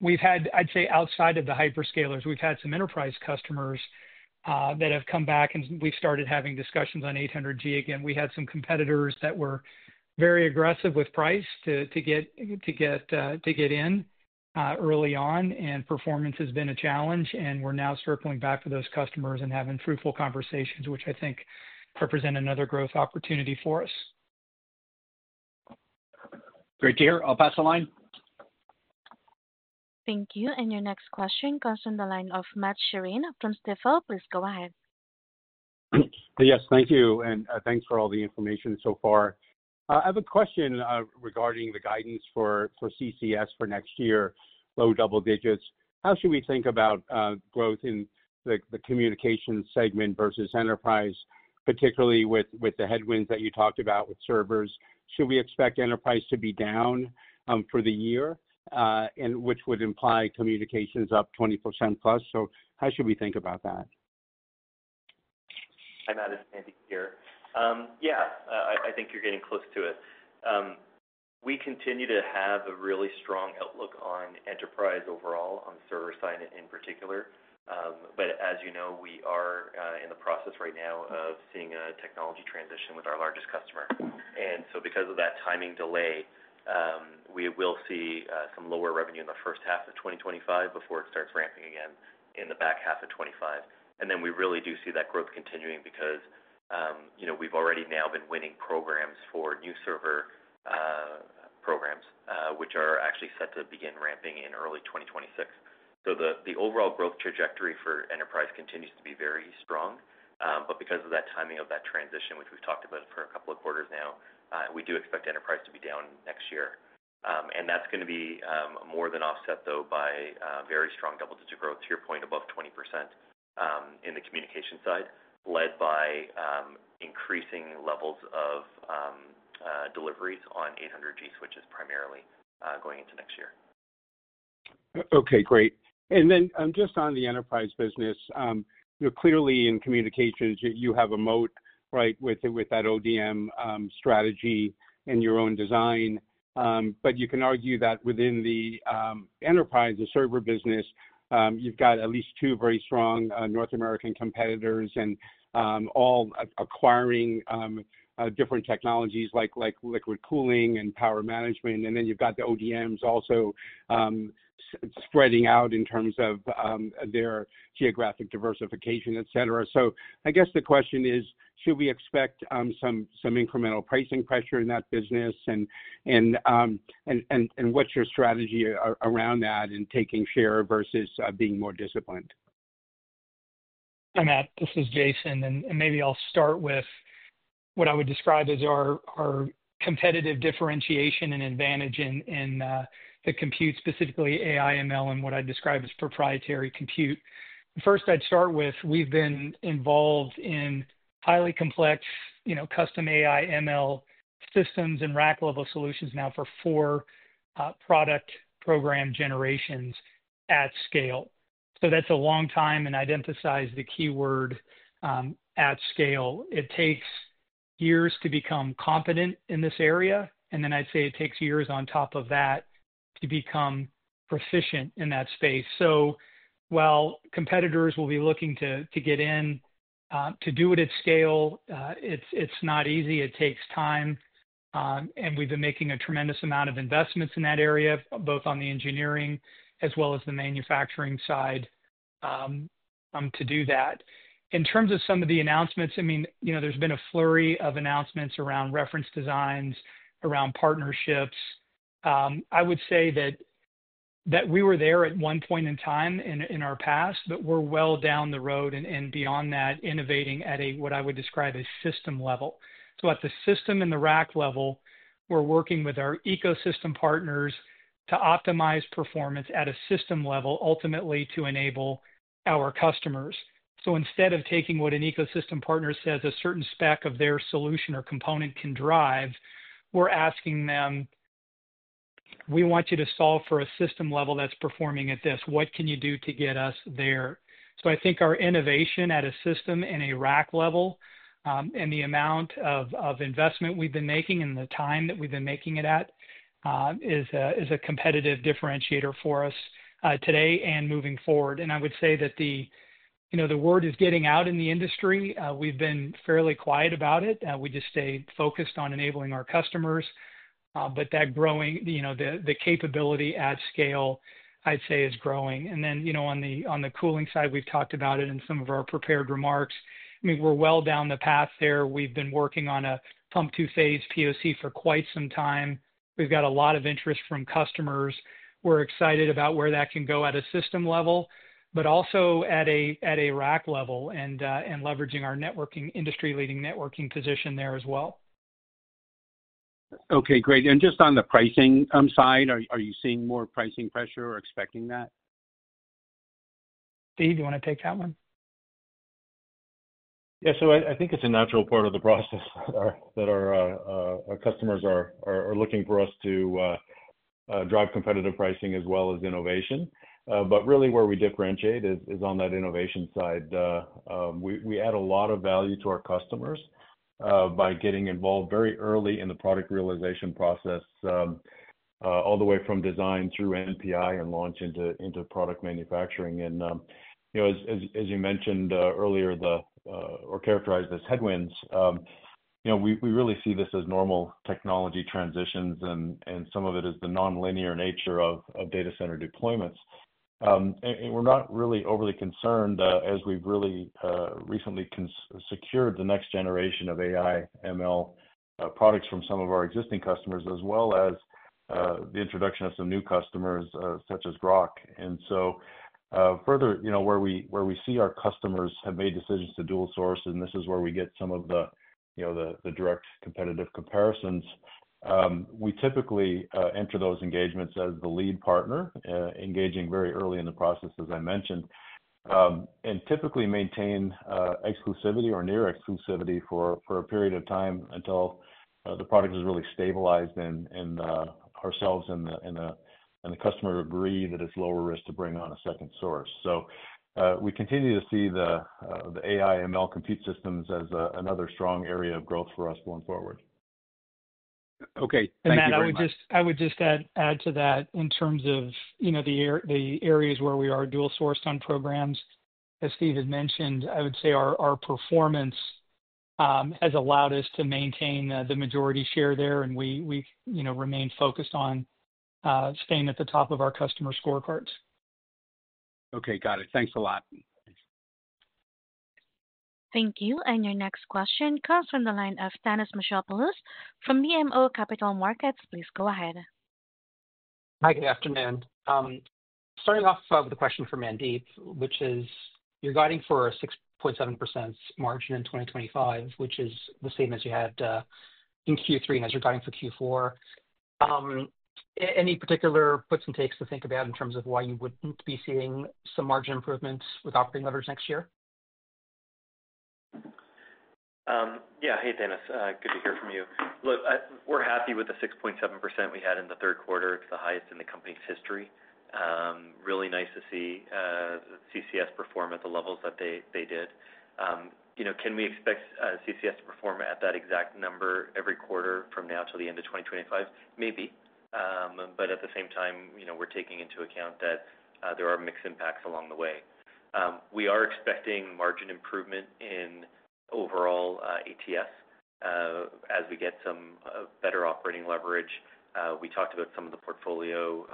we've had. I'd say, outside of the hyperscalers, we've had some enterprise customers that have come back, and we've started having discussions on 800G again. We had some competitors that were very aggressive with price to get in early on, and performance has been a challenge, and we're now circling back to those customers and having fruitful conversations, which I think represent another growth opportunity for us. Great to hear. I'll pass the line. Thank you. And your next question comes from the line of Matt Sheerin from Stifel. Please go ahead. Yes, thank you, and, thanks for all the information so far. I have a question regarding the guidance for CCS for next year, low double digits. How should we think about growth in the communication segment versus enterprise, particularly with the headwinds that you talked about with servers? Should we expect enterprise to be down for the year? And which would imply communications up 20% plus. So how should we think about that? Hi, Matt, it's Mandy here. I think you're getting close to it. We continue to have a really strong outlook on enterprise overall, on server side in particular. But as you know, we are in the process right now of seeing a technology transition with our largest customer. And so because of that timing delay, we will see some lower revenue in the first half of 2025 before it starts ramping again in the back half of 2025. And then we really do see that growth continuing because, you know, we've already now been winning programs for new server programs, which are actually set to begin ramping in early 2026. The overall growth trajectory for enterprise continues to be very strong. But because of that timing of that transition, which we've talked about for a couple of quarters now, we do expect enterprise to be down next year. And that's gonna be more than offset, though, by very strong double-digit growth, to your point, above 20%, in the communication side, led by increasing levels of deliveries on 800G switches primarily, going into next year. Okay, great. And then, just on the enterprise business, you know, clearly in communications, you have a moat, right, with that ODM strategy and your own design. But you can argue that within the enterprise, the server business, you've got at least two very strong North American competitors and all acquiring different technologies like liquid cooling and power management. And then you've got the ODMs also spreading out in terms of their geographic diversification, etc. So I guess the question is, should we expect some incremental pricing pressure in that business? And what's your strategy around that in taking share versus being more disciplined? Hi, Matt, this is Jason, and maybe I'll start with what I would describe as our competitive differentiation and advantage in the compute, specifically AI/ML and what I'd describe as proprietary compute. First, I'd start with, we've been involved in highly complex, you know, custom AI/ML systems and rack-level solutions now for four product program generations at scale. So that's a long time, and I'd emphasize the keyword at scale. It takes years to become competent in this area, and then I'd say it takes years on top of that to become proficient in that space. So while competitors will be looking to get in to do it at scale, it's not easy. It takes time, and we've been making a tremendous amount of investments in that area, both on the engineering as well as the manufacturing side, to do that. In terms of some of the announcements, I mean, you know, there's been a flurry of announcements around reference designs, around partnerships. I would say that, that we were there at one point in time in, in our past, but we're well down the road and, and beyond that, innovating at a, what I would describe as system level. So at the system and the rack level, we're working with our ecosystem partners to optimize performance at a system level, ultimately to enable our customers. So instead of taking what an ecosystem partner says a certain spec of their solution or component can drive, we're asking them: We want you to solve for a system level that's performing at this. What can you do to get us there? So I think our innovation at a system and a rack level, and the amount of investment we've been making and the time that we've been making it at, is a competitive differentiator for us, today and moving forward. And I would say that the, you know, the word is getting out in the industry. We've been fairly quiet about it. We just stayed focused on enabling our customers, but that growing, you know, the capability at scale, I'd say, is growing. Then, you know, on the cooling side, we've talked about it in some of our prepared remarks. I mean, we're well down the path there. We've been working on a pumped two-phase POC for quite some time. We've got a lot of interest from customers. We're excited about where that can go at a system level, but also at a rack level and leveraging our networking, industry-leading networking position there as well. Okay, great. Just on the pricing side, are you seeing more pricing pressure or expecting that? Steve, do you want to take that one? Yeah, so I think it's a natural part of the process that our customers are looking for us to drive competitive pricing as well as innovation. But really where we differentiate is on that innovation side. We add a lot of value to our customers by getting involved very early in the product realization process, all the way from design through NPI and launch into product manufacturing. And you know, as you mentioned earlier, or characterized as headwinds, you know, we really see this as normal technology transitions and some of it is the nonlinear nature of data center deployments. And we're not really overly concerned, as we've really recently secured the next generation of AI/ML products from some of our existing customers, as well as the introduction of some new customers, such as Groq. And so, further, you know, where we see our customers have made decisions to dual source, and this is where we get some of the, you know, the direct competitive comparisons, we typically enter those engagements as the lead partner, engaging very early in the process, as I mentioned. And typically maintain exclusivity or near exclusivity for a period of time until the product is really stabilized and ourselves and the customer agree that it's lower risk to bring on a second source. We continue to see the AI/ML compute systems as another strong area of growth for us going forward. Okay, thank you very much. Matt, I would just add to that in terms of, you know, the areas where we are dual sourced on programs. As Steve had mentioned, I would say our performance has allowed us to maintain the majority share there, and we, you know, remain focused on staying at the top of our customer scorecards. Okay, got it. Thanks a lot. Thank you. And your next question comes from the line of Thanos Moschopoulos from BMO Capital Markets. Please go ahead. Hi, good afternoon. Starting off, with a question for Mandeep, which is: You're guiding for a 6.7% margin in 2025, which is the same as you had, in Q3 and as you're guiding for Q4. Any particular puts and takes to think about in terms of why you wouldn't be seeing some margin improvements with operating levers next year? Yeah. Hey, Thanos, good to hear from you. Look, we're happy with the 6.7% we had in the third quarter. It's the highest in the company's history. Really nice to see, CCS perform at the levels that they did. You know, can we expect, CCS to perform at that exact number every quarter from now till the end of 2025? Maybe. But at the same time, you know, we're taking into account that, there are mixed impacts along the way. We are expecting margin improvement in overall, ATS, as we get some, better operating leverage. We talked about some of the portfolio,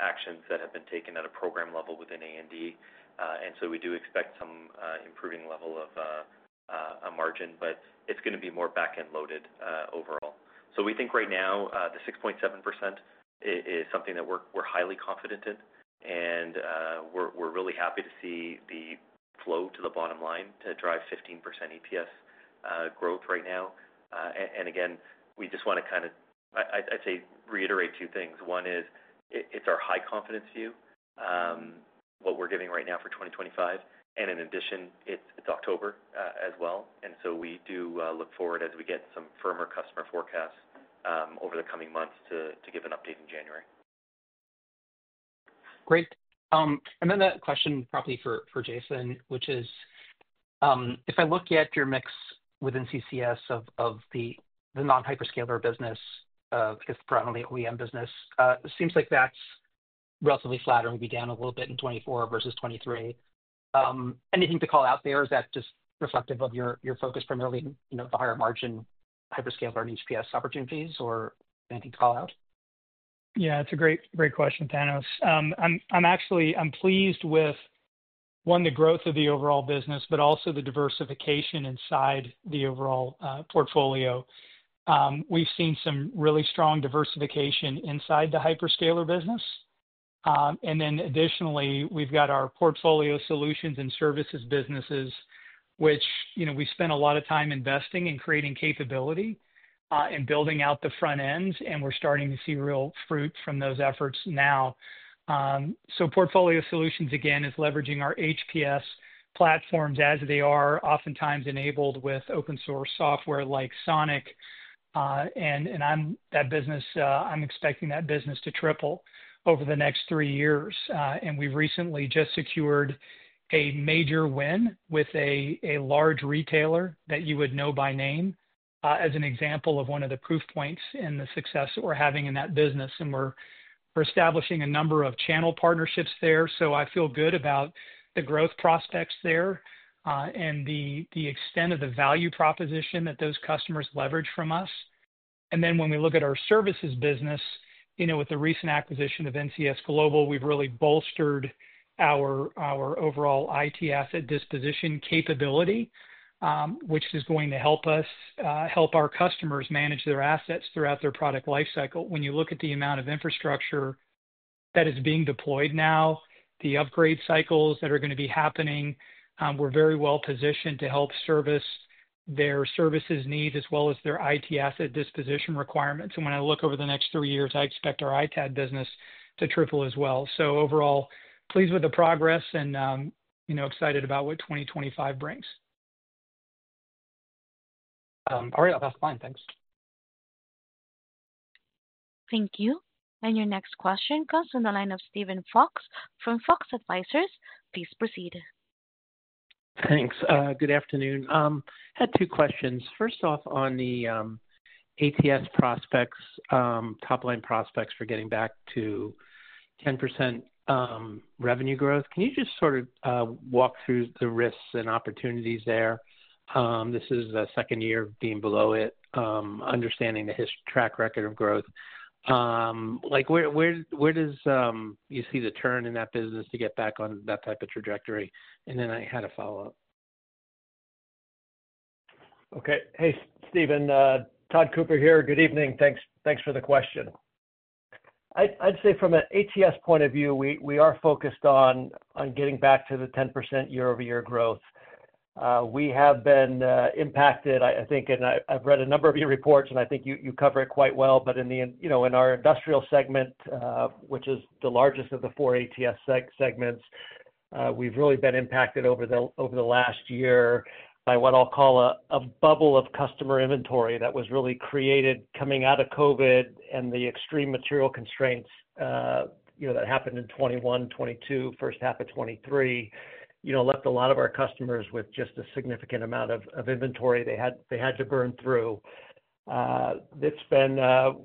actions that have been taken at a program level within A&D. And so we do expect some improving level of a margin, but it's gonna be more back-end loaded overall. So we think right now the 6.7% is something that we're highly confident in, and we're really happy to see the flow to the bottom line to drive 15% EPS growth right now. And again, we just want to kind of. I'd say reiterate two things. One is, it's our high confidence view what we're giving right now for 2025, and in addition, it's October as well. And so we do look forward as we get some firmer customer forecasts over the coming months to give an update in January. Great. And then a question probably for Jason, which is, if I look at your mix within CCS of the non-hyperscaler business, I guess predominantly OEM business, it seems like that's relatively flat or maybe down a little bit in 2024 versus 2023. Anything to call out there, is that just reflective of your focus primarily, you know, the higher margin hyperscaler and HPS opportunities, or anything to call out? Yeah, it's a great, great question, Thanos. I'm actually pleased with, one, the growth of the overall business, but also the diversification inside the overall portfolio. We've seen some really strong diversification inside the hyperscaler business. And then additionally, we've got our portfolio solutions and services businesses, which, you know, we spend a lot of time investing in creating capability and building out the front ends, and we're starting to see real fruit from those efforts now. So portfolio solutions, again, is leveraging our HPS platforms as they are oftentimes enabled with open source software like Sonic. And that business, I'm expecting that business to triple over the next three years. And we've recently just secured a major win with a large retailer that you would know by name, as an example of one of the proof points in the success that we're having in that business. And we're establishing a number of channel partnerships there, so I feel good about the growth prospects there, and the extent of the value proposition that those customers leverage from us. And then when we look at our services business, you know, with the recent acquisition of NCS Global, we've really bolstered our overall IT asset disposition capability, which is going to help us help our customers manage their assets throughout their product life cycle. When you look at the amount of infrastructure that is being deployed now, the upgrade cycles that are going to be happening, we're very well positioned to help service their services needs as well as their IT asset disposition requirements. And when I look over the next three years, I expect our ITAD business to triple as well. So overall, pleased with the progress and, you know, excited about what 2025 brings. All right. That's fine. Thanks. Thank you. And your next question comes from the line of Steven Fox from Fox Advisors. Please proceed. Thanks. Good afternoon. Had two questions. First off, on the ATS prospects, top-line prospects for getting back to 10% revenue growth. Can you just sort of walk through the risks and opportunities there? This is the second year of being below it, understanding the track record of growth. Like, where does you see the turn in that business to get back on that type of trajectory? And then I had a follow-up. Okay. Hey, Steven, Todd Cooper here. Good evening. Thanks, thanks for the question. I'd say from an ATS point of view, we are focused on getting back to the 10% year-over-year growth. We have been impacted, I think, and I've read a number of your reports, and I think you cover it quite well. But, you know, in our industrial segment, which is the largest of the four ATS segments, we've really been impacted over the last year by what I'll call a bubble of customer inventory that was really created coming out of COVID and the extreme material constraints, you know, that happened in 2021, 2022, first half of 2023. You know, left a lot of our customers with just a significant amount of inventory they had to burn through. It's been.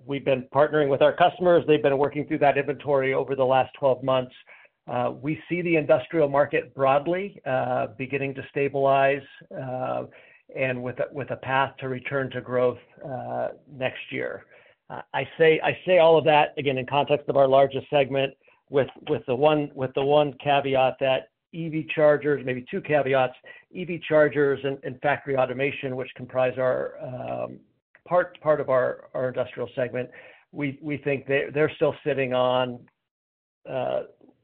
We've been partnering with our customers. They've been working through that inventory over the last twelve months. We see the industrial market broadly beginning to stabilize and with a path to return to growth next year. I say all of that, again, in context of our largest segment, with the one caveat that EV chargers, maybe two caveats, EV chargers and factory automation, which comprise our part of our industrial segment. We think they're still sitting on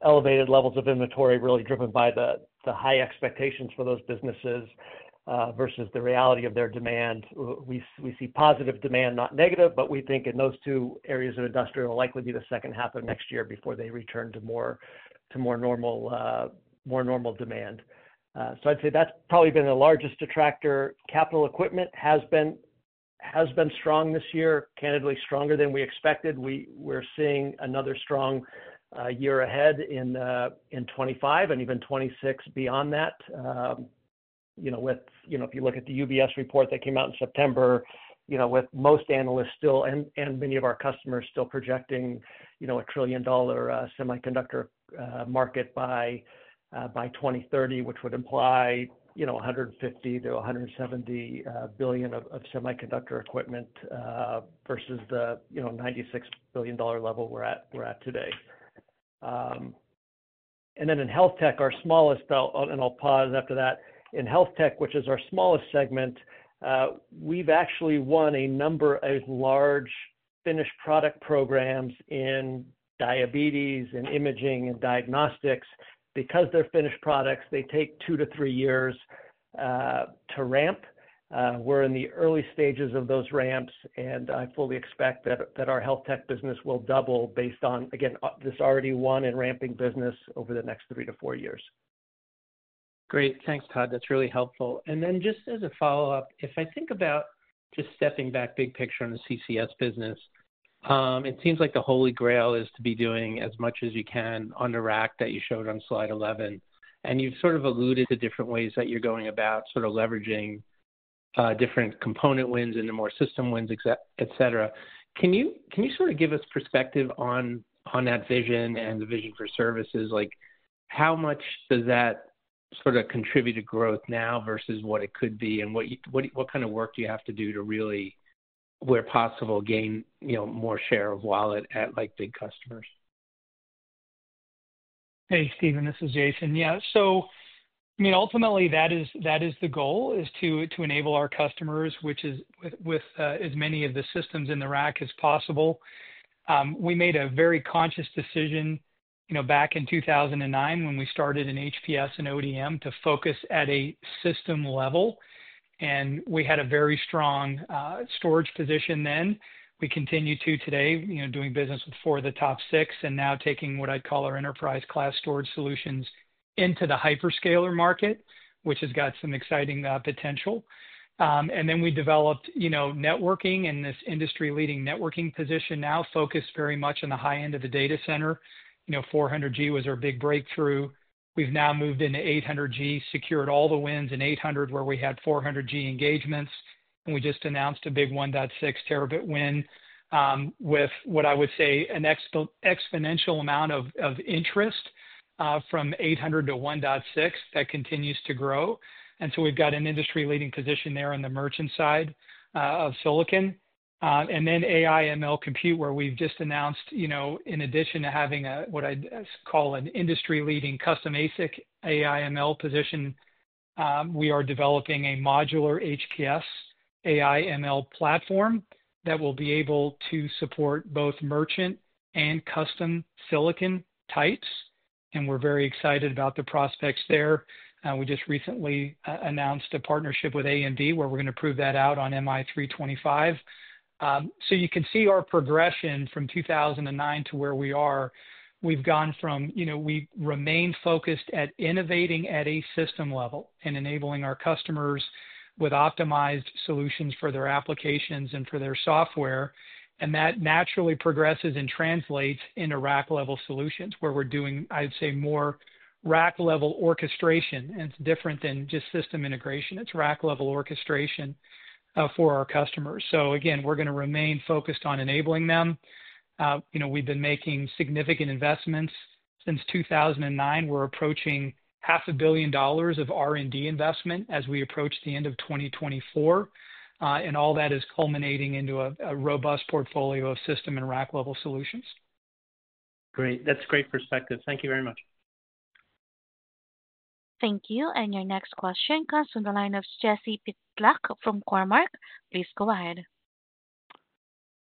elevated levels of inventory, really driven by the high expectations for those businesses versus the reality of their demand. We see positive demand, not negative, but we think in those two areas of industrial, it will likely be the second half of next year before they return to more normal demand. So I'd say that's probably been the largest attractor. Capital equipment has been strong this year, candidly, stronger than we expected. We're seeing another strong year ahead in 2025 and even 2026 beyond that. If you look at the UBS report that came out in September, you know, with most analysts still and many of our customers still projecting, you know, a $1 trillion semiconductor market by 2030, which would imply, you know, $150 billion-$170 billion of semiconductor equipment versus the, you know, $96 billion level we're at today. Then in health tech, which is our smallest segment, we've actually won a number of large finished product programs in diabetes and imaging and diagnostics. Because they're finished products, they take two to three years to ramp. We're in the early stages of those ramps, and I fully expect that our health tech business will double based on, again, this already won and ramping business over the next three to four years. Great. Thanks, Todd. That's really helpful. And then just as a follow-up, if I think about just stepping back big picture on the CCS business, it seems like the holy grail is to be doing as much as you can on the rack that you showed on slide 11, and you've sort of alluded to different ways that you're going about sort of leveraging different component wins into more system wins, et cetera. Can you sort of give us perspective on that vision and the vision for services? Like, how much does that sort of contribute to growth now versus what it could be? And what kind of work do you have to do to really, where possible, gain, you know, more share of wallet at, like, big customers? Hey, Steven, this is Jason. Yeah, so I mean, ultimately, that is the goal, to enable our customers with as many of the systems in the rack as possible. We made a very conscious decision, you know, back in 2009, when we started in HPS and ODM, to focus at a system level, and we had a very strong storage position then. We continue to today, you know, doing business with four of the top six, and now taking what I'd call our enterprise-class storage solutions into the hyperscaler market, which has got some exciting potential. And then we developed, you know, networking and this industry-leading networking position now focused very much on the high end of the data center. You know, 400G was our big breakthrough. We've now moved into 800G, secured all the wins in 800G, where we had 400G engagements, and we just announced a big 1.6T win, with what I would say, an exponential amount of interest, from 800G to 1.6T. That continues to grow. And so we've got an industry-leading position there on the merchant side of silicon. And then AI/ML compute, where we've just announced, you know, in addition to having a, what I'd call an industry-leading custom ASIC AI/ML position, we are developing a modular HPS AI/ML platform that will be able to support both merchant and custom silicon types, and we're very excited about the prospects there. We just recently announced a partnership with A&D, where we're going to prove that out on MI325. So you can see our progression from 2009 to where we are. We've gone from you know, we remained focused at innovating at a system level and enabling our customers with optimized solutions for their applications and for their software, and that naturally progresses and translates into rack-level solutions, where we're doing, I'd say, more rack-level orchestration. And it's different than just system integration. It's rack-level orchestration for our customers. So again, we're going to remain focused on enabling them. You know, we've been making significant investments since 2009. We're approaching $500 million of R&D investment as we approach the end of 2024, and all that is culminating into a robust portfolio of system and rack-level solutions. Great. That's great perspective. Thank you very much. Thank you. And your next question comes from the line of Jesse Pitlack from Cormark. Please go ahead.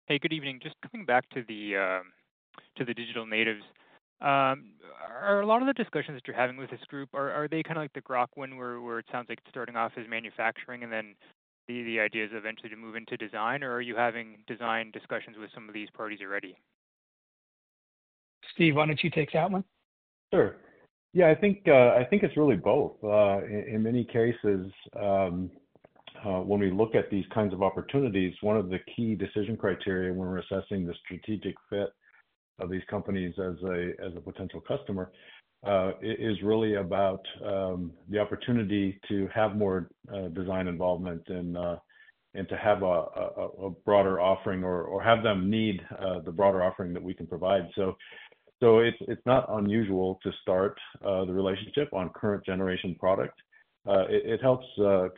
Hey, good evening. Just coming back to the digital natives, are a lot of the discussions that you're having with this group, are they kind of like the Groq one, where it sounds like it's starting off as manufacturing and then the idea is eventually to move into design, or are you having design discussions with some of these parties already? Steve, why don't you take that one? Sure. Yeah, I think, I think it's really both. In many cases, when we look at these kinds of opportunities, one of the key decision criteria when we're assessing the strategic fit of these companies as a potential customer is really about the opportunity to have more design involvement and to have a broader offering or have them need the broader offering that we can provide. So it's not unusual to start the relationship on current generation product. It helps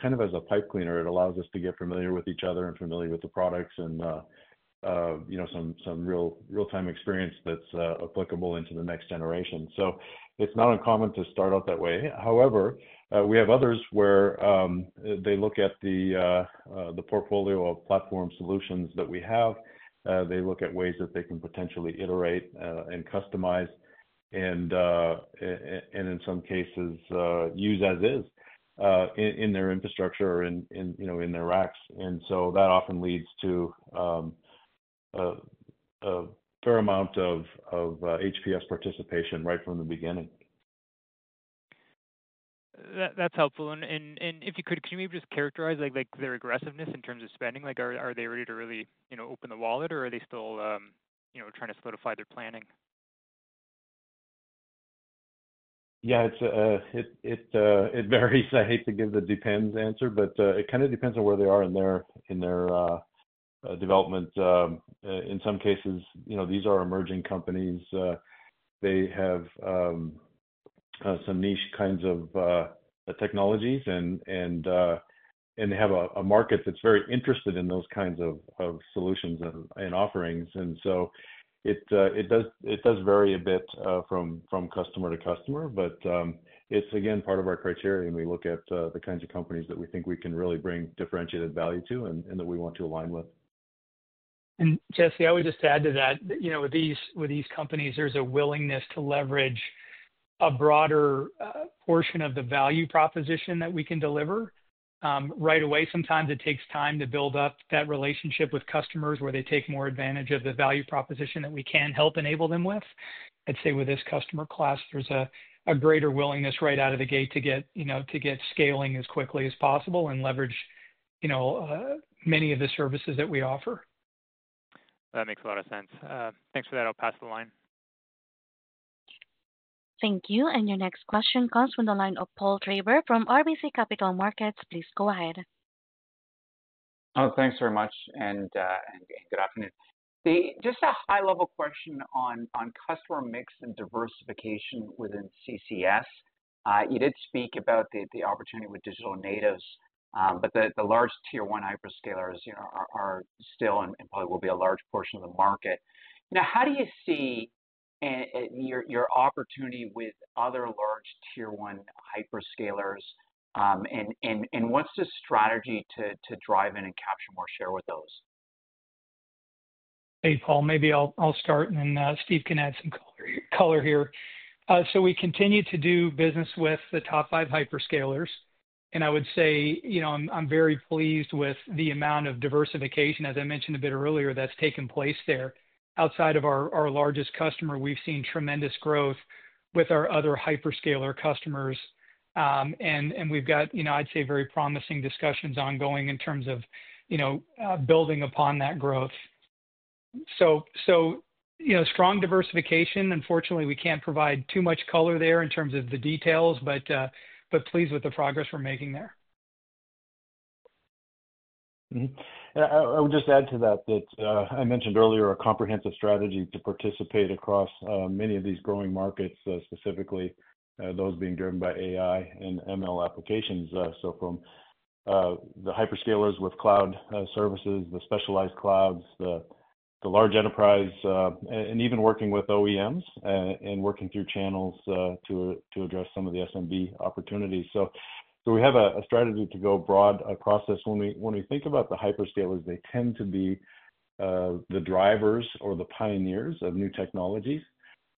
kind of as a pipe cleaner. It allows us to get familiar with each other and familiar with the products and, you know, some real-time experience that's applicable into the next generation. So it's not uncommon to start out that way. However, we have others where they look at the portfolio of platform solutions that we have. They look at ways that they can potentially iterate and customize and in some cases use as is in their infrastructure or in, you know, in their racks. And so that often leads to a fair amount of HPS participation right from the beginning. That, that's helpful. And if you could, can you maybe just characterize, like, their aggressiveness in terms of spending? Like, are they ready to really, you know, open the wallet, or are they still, you know, trying to solidify their planning? Yeah, it varies. I hate to give the depends answer, but it kind of depends on where they are in their development. In some cases, you know, these are emerging companies. They have some niche kinds of technologies and they have a market that's very interested in those kinds of solutions and offerings. And so it does vary a bit from customer to customer, but it's again part of our criteria, and we look at the kinds of companies that we think we can really bring differentiated value to and that we want to align with. Jesse, I would just add to that, you know, with these companies, there's a willingness to leverage a broader portion of the value proposition that we can deliver. Right away, sometimes it takes time to build up that relationship with customers, where they take more advantage of the value proposition that we can help enable them with. I'd say with this customer class, there's a greater willingness right out of the gate to get, you know, scaling as quickly as possible and leverage, you know, many of the services that we offer. That makes a lot of sense. Thanks for that. I'll pass the line. Thank you. And your next question comes from the line of Paul Treiber from RBC Capital Markets. Please go ahead. Oh, thanks very much, and good afternoon. Then just a high-level question on customer mix and diversification within CCS. You did speak about the opportunity with digital natives, but the large tier one hyperscalers, you know, are still and probably will be a large portion of the market. Now, how do you see your opportunity with other large tier one hyperscalers, and what's the strategy to drive in and capture more share with those? Hey, Paul, maybe I'll start, and then Steve can add some color here. So we continue to do business with the top five hyperscalers, and I would say, you know, I'm very pleased with the amount of diversification, as I mentioned a bit earlier, that's taken place there. Outside of our largest customer, we've seen tremendous growth with our other hyperscaler customers. And we've got, you know, I'd say, very promising discussions ongoing in terms of, you know, building upon that growth. So, you know, strong diversification. Unfortunately, we can't provide too much color there in terms of the details, but pleased with the progress we're making there. Mm-hmm. I would just add to that that I mentioned earlier a comprehensive strategy to participate across many of these growing markets specifically those being driven by AI and ML applications. So from the hyperscalers with cloud services the specialized clouds the large enterprise and even working with OEMs and working through channels to address some of the SMB opportunities. So we have a strategy to go broad across this. When we think about the hyperscalers they tend to be the drivers or the pioneers of new technologies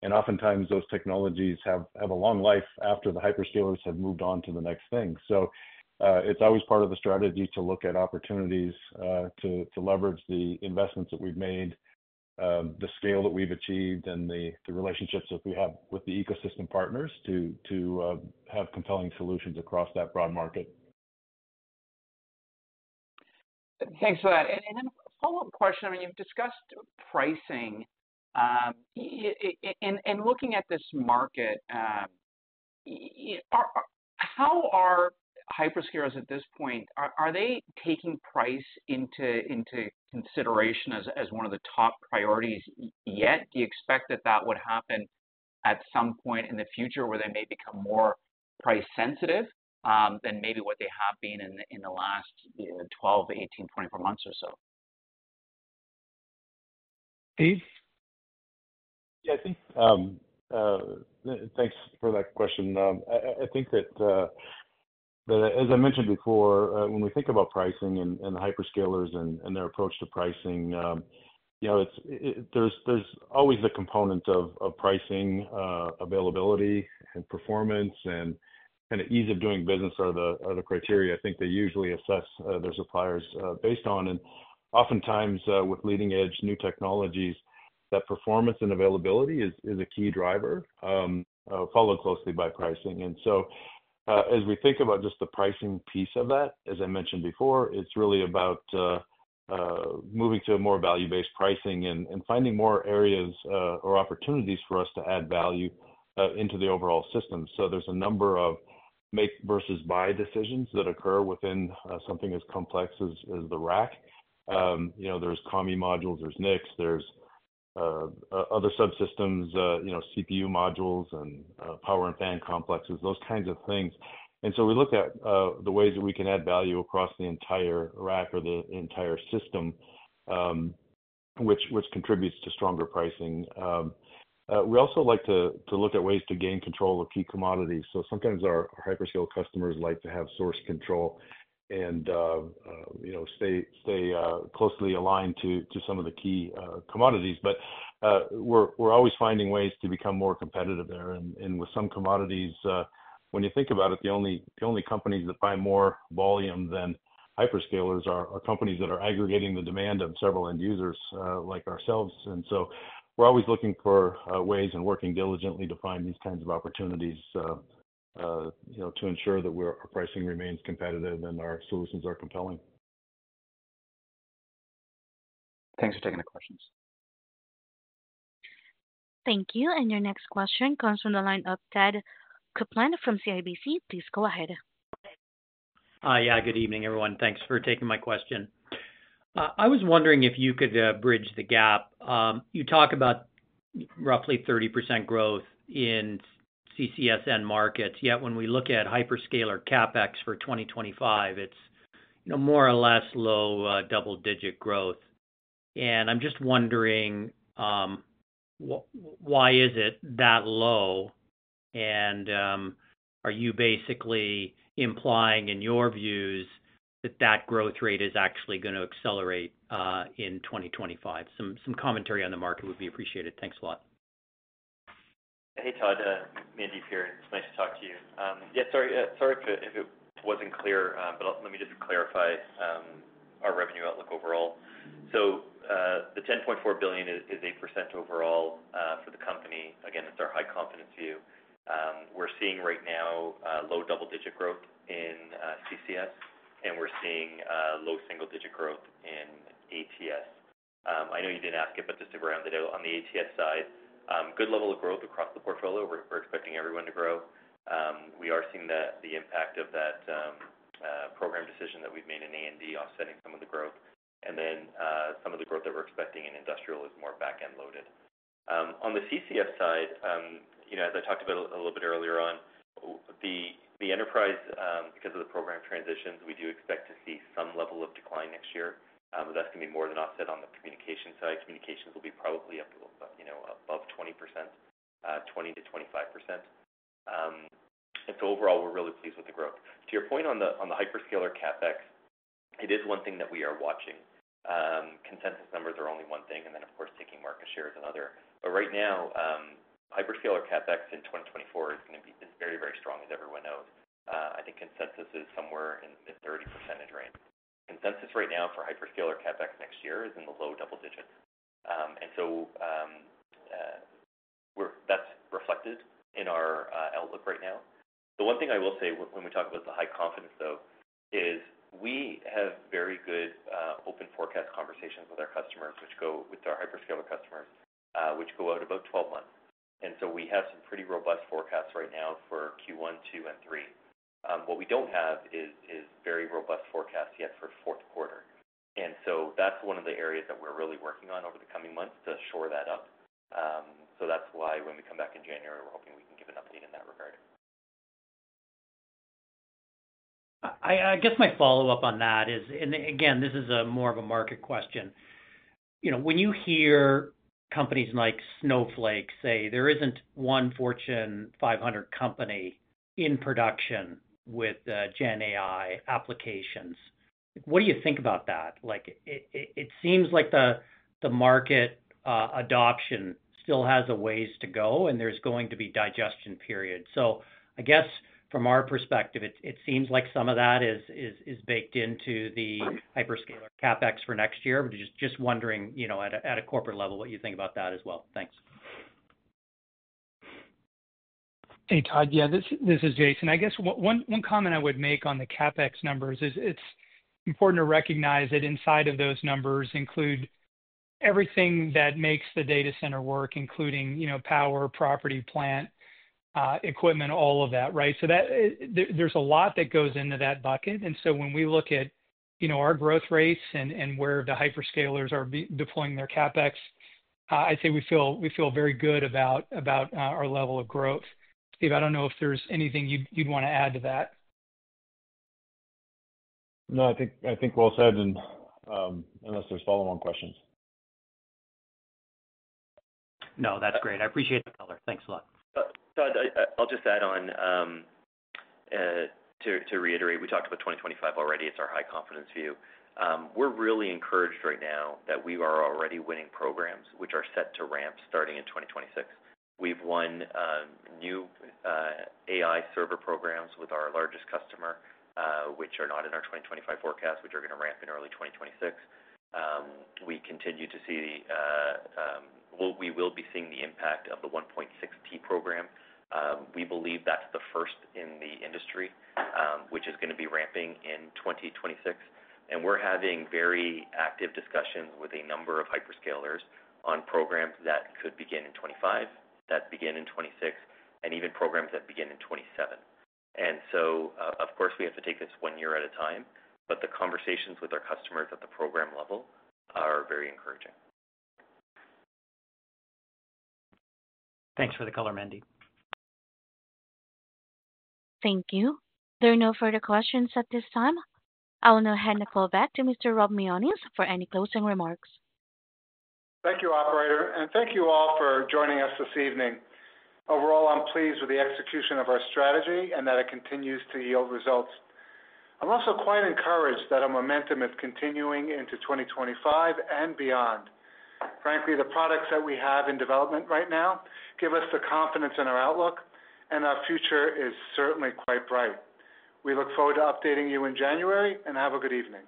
and oftentimes those technologies have a long life after the hyperscalers have moved on to the next thing. It's always part of the strategy to look at opportunities to leverage the investments that we've made, the scale that we've achieved and the relationships that we have with the ecosystem partners to have compelling solutions across that broad market. Thanks for that. And then a follow-up question. I mean, you've discussed pricing, and looking at this market, how are hyperscalers at this point, are they taking price into consideration as one of the top priorities yet? Do you expect that would happen at some point in the future, where they may become more price sensitive than maybe what they have been in the last twelve to eighteen, twenty-four months or so? Steve? Yeah, I think, thanks for that question. I think that, as I mentioned before, when we think about pricing and the hyperscalers and their approach to pricing, you know, it's, there's always the component of pricing, availability and performance and kind of ease of doing business are the criteria I think they usually assess their suppliers based on. And oftentimes, with leading-edge new technologies, that performance and availability is a key driver, followed closely by pricing. And so, as we think about just the pricing piece of that, as I mentioned before, it's really about moving to a more value-based pricing and finding more areas or opportunities for us to add value into the overall system. So there's a number of make versus buy decisions that occur within something as complex as the rack. You know, there's COM modules, there's NICs, there's other subsystems, you know, CPU modules and power and fan complexes, those kinds of things. And so we look at the ways that we can add value across the entire rack or the entire system, which contributes to stronger pricing. We also like to look at ways to gain control of key commodities. So sometimes our hyperscale customers like to have source control and you know, stay closely aligned to some of the key commodities. But we're always finding ways to become more competitive there. With some commodities, when you think about it, the only companies that buy more volume than hyperscalers are companies that are aggregating the demand of several end users, like ourselves. So we're always looking for ways and working diligently to find these kinds of opportunities, you know, to ensure that our pricing remains competitive and our solutions are compelling. Thanks for taking the questions. Thank you, and your next question comes from the line of Todd Coupland from CIBC. Please go ahead. Yeah, good evening, everyone. Thanks for taking my question. I was wondering if you could bridge the gap. You talk about roughly 30% growth in CCS end markets, yet when we look at hyperscaler CapEx for 2025, it's, you know, more or less low double-digit growth. And I'm just wondering why is it that low? And are you basically implying in your views that that growth rate is actually gonna accelerate in 2025? Some commentary on the market would be appreciated. Thanks a lot. Hey, Todd, Mandeep here. It's nice to talk to you. Yeah, sorry, sorry if it, if it wasn't clear, but let me just clarify, our revenue outlook overall. So, the $10.4 billion is, is 8% overall, for the company. Again, it's our high confidence view. We're seeing right now, low double-digit growth in, CCS, and we're seeing, low single-digit growth in ATS. I know you didn't ask it, but just to round it out, on the ATS side, good level of growth across the portfolio. We're, we're expecting everyone to grow. We are seeing the, the impact of that, program decision that we've made in AMD offsetting some of the growth. And then, some of the growth that we're expecting in industrial is more back-end loaded. On the CCS side, you know, as I talked about a little bit earlier on, the enterprise, because of the program transitions, we do expect to see some level of decline next year, but that's going to be more than offset on the communication side. Communications will be probably up, you know, above 20%, 20%-25%, and so overall, we're really pleased with the growth. To your point on the hyperscaler CapEx, it is one thing that we are watching. Consensus numbers are only one thing, and then, of course, taking market share is another, but right now, hyperscaler CapEx in 2024 is gonna be, is very, very strong, as everyone knows. I think consensus is somewhere in the 30% range. Consensus right now for hyperscaler CapEx next year is in the low double digits. And so, that's reflected in our outlook right now. The one thing I will say when we talk about the high confidence, though, is we have very good open forecast conversations with our customers, which go with our hyperscaler customers, which go out about twelve months. And so we have some pretty robust forecasts right now for Q1, Q2 and Q3. What we don't have is very robust forecasts yet for fourth quarter. And so that's one of the areas that we're really working on over the coming months to shore that up. So that's why when we come back in January, we're hoping we can give an update in that regard. I guess my follow-up on that is, and again, this is more of a market question. You know, when you hear companies like Snowflake say there isn't one Fortune 500 company in production with GenAI applications, what do you think about that? Like, it seems like the market adoption still has a ways to go, and there's going to be digestion period. So I guess from our perspective, it seems like some of that is baked into the hyperscaler CapEx for next year. But just, just wondering, you know, at a, at a corporate level, what you think about that as well? Thanks. Hey, Todd. Yeah, this is Jason. I guess one comment I would make on the CapEx numbers is it's important to recognize that inside of those numbers include everything that makes the data center work, including, you know, power, property, plant, equipment, all of that, right? So that, there's a lot that goes into that bucket. And so when we look at, you know, our growth rates and where the hyperscalers are deploying their CapEx, I'd say we feel very good about our level of growth. Steve, I don't know if there's anything you'd want to add to that. No, I think well said, and unless there's follow-on questions. No, that's great. I appreciate the color. Thanks a lot. Todd, I'll just add on to reiterate. We talked about 2025 already. It's our high confidence view. We're really encouraged right now that we are already winning programs which are set to ramp starting in 2026. We've won new AI server programs with our largest customer, which are not in our 2025 forecast, which are going to ramp in early 2026. Well, we will be seeing the impact of the 1.6T program. We believe that's the first in the industry, which is going to be ramping in 2026. And we're having very active discussions with a number of hyperscalers on programs that could begin in 2025, that begin in 2026, and even programs that begin in 2027. And so, of course, we have to take this one year at a time, but the conversations with our customers at the program level are very encouraging. Thanks for the color, Mandeep. Thank you. There are no further questions at this time. I will now hand the call back to Mr. Rob Mionis for any closing remarks. Thank you, operator, and thank you all for joining us this evening. Overall, I'm pleased with the execution of our strategy and that it continues to yield results. I'm also quite encouraged that our momentum is continuing into 2025 and beyond. Frankly, the products that we have in development right now give us the confidence in our outlook, and our future is certainly quite bright. We look forward to updating you in January, and have a good evening.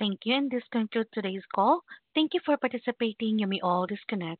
Thank you, and this concludes today's call. Thank you for participating, you may all disconnect.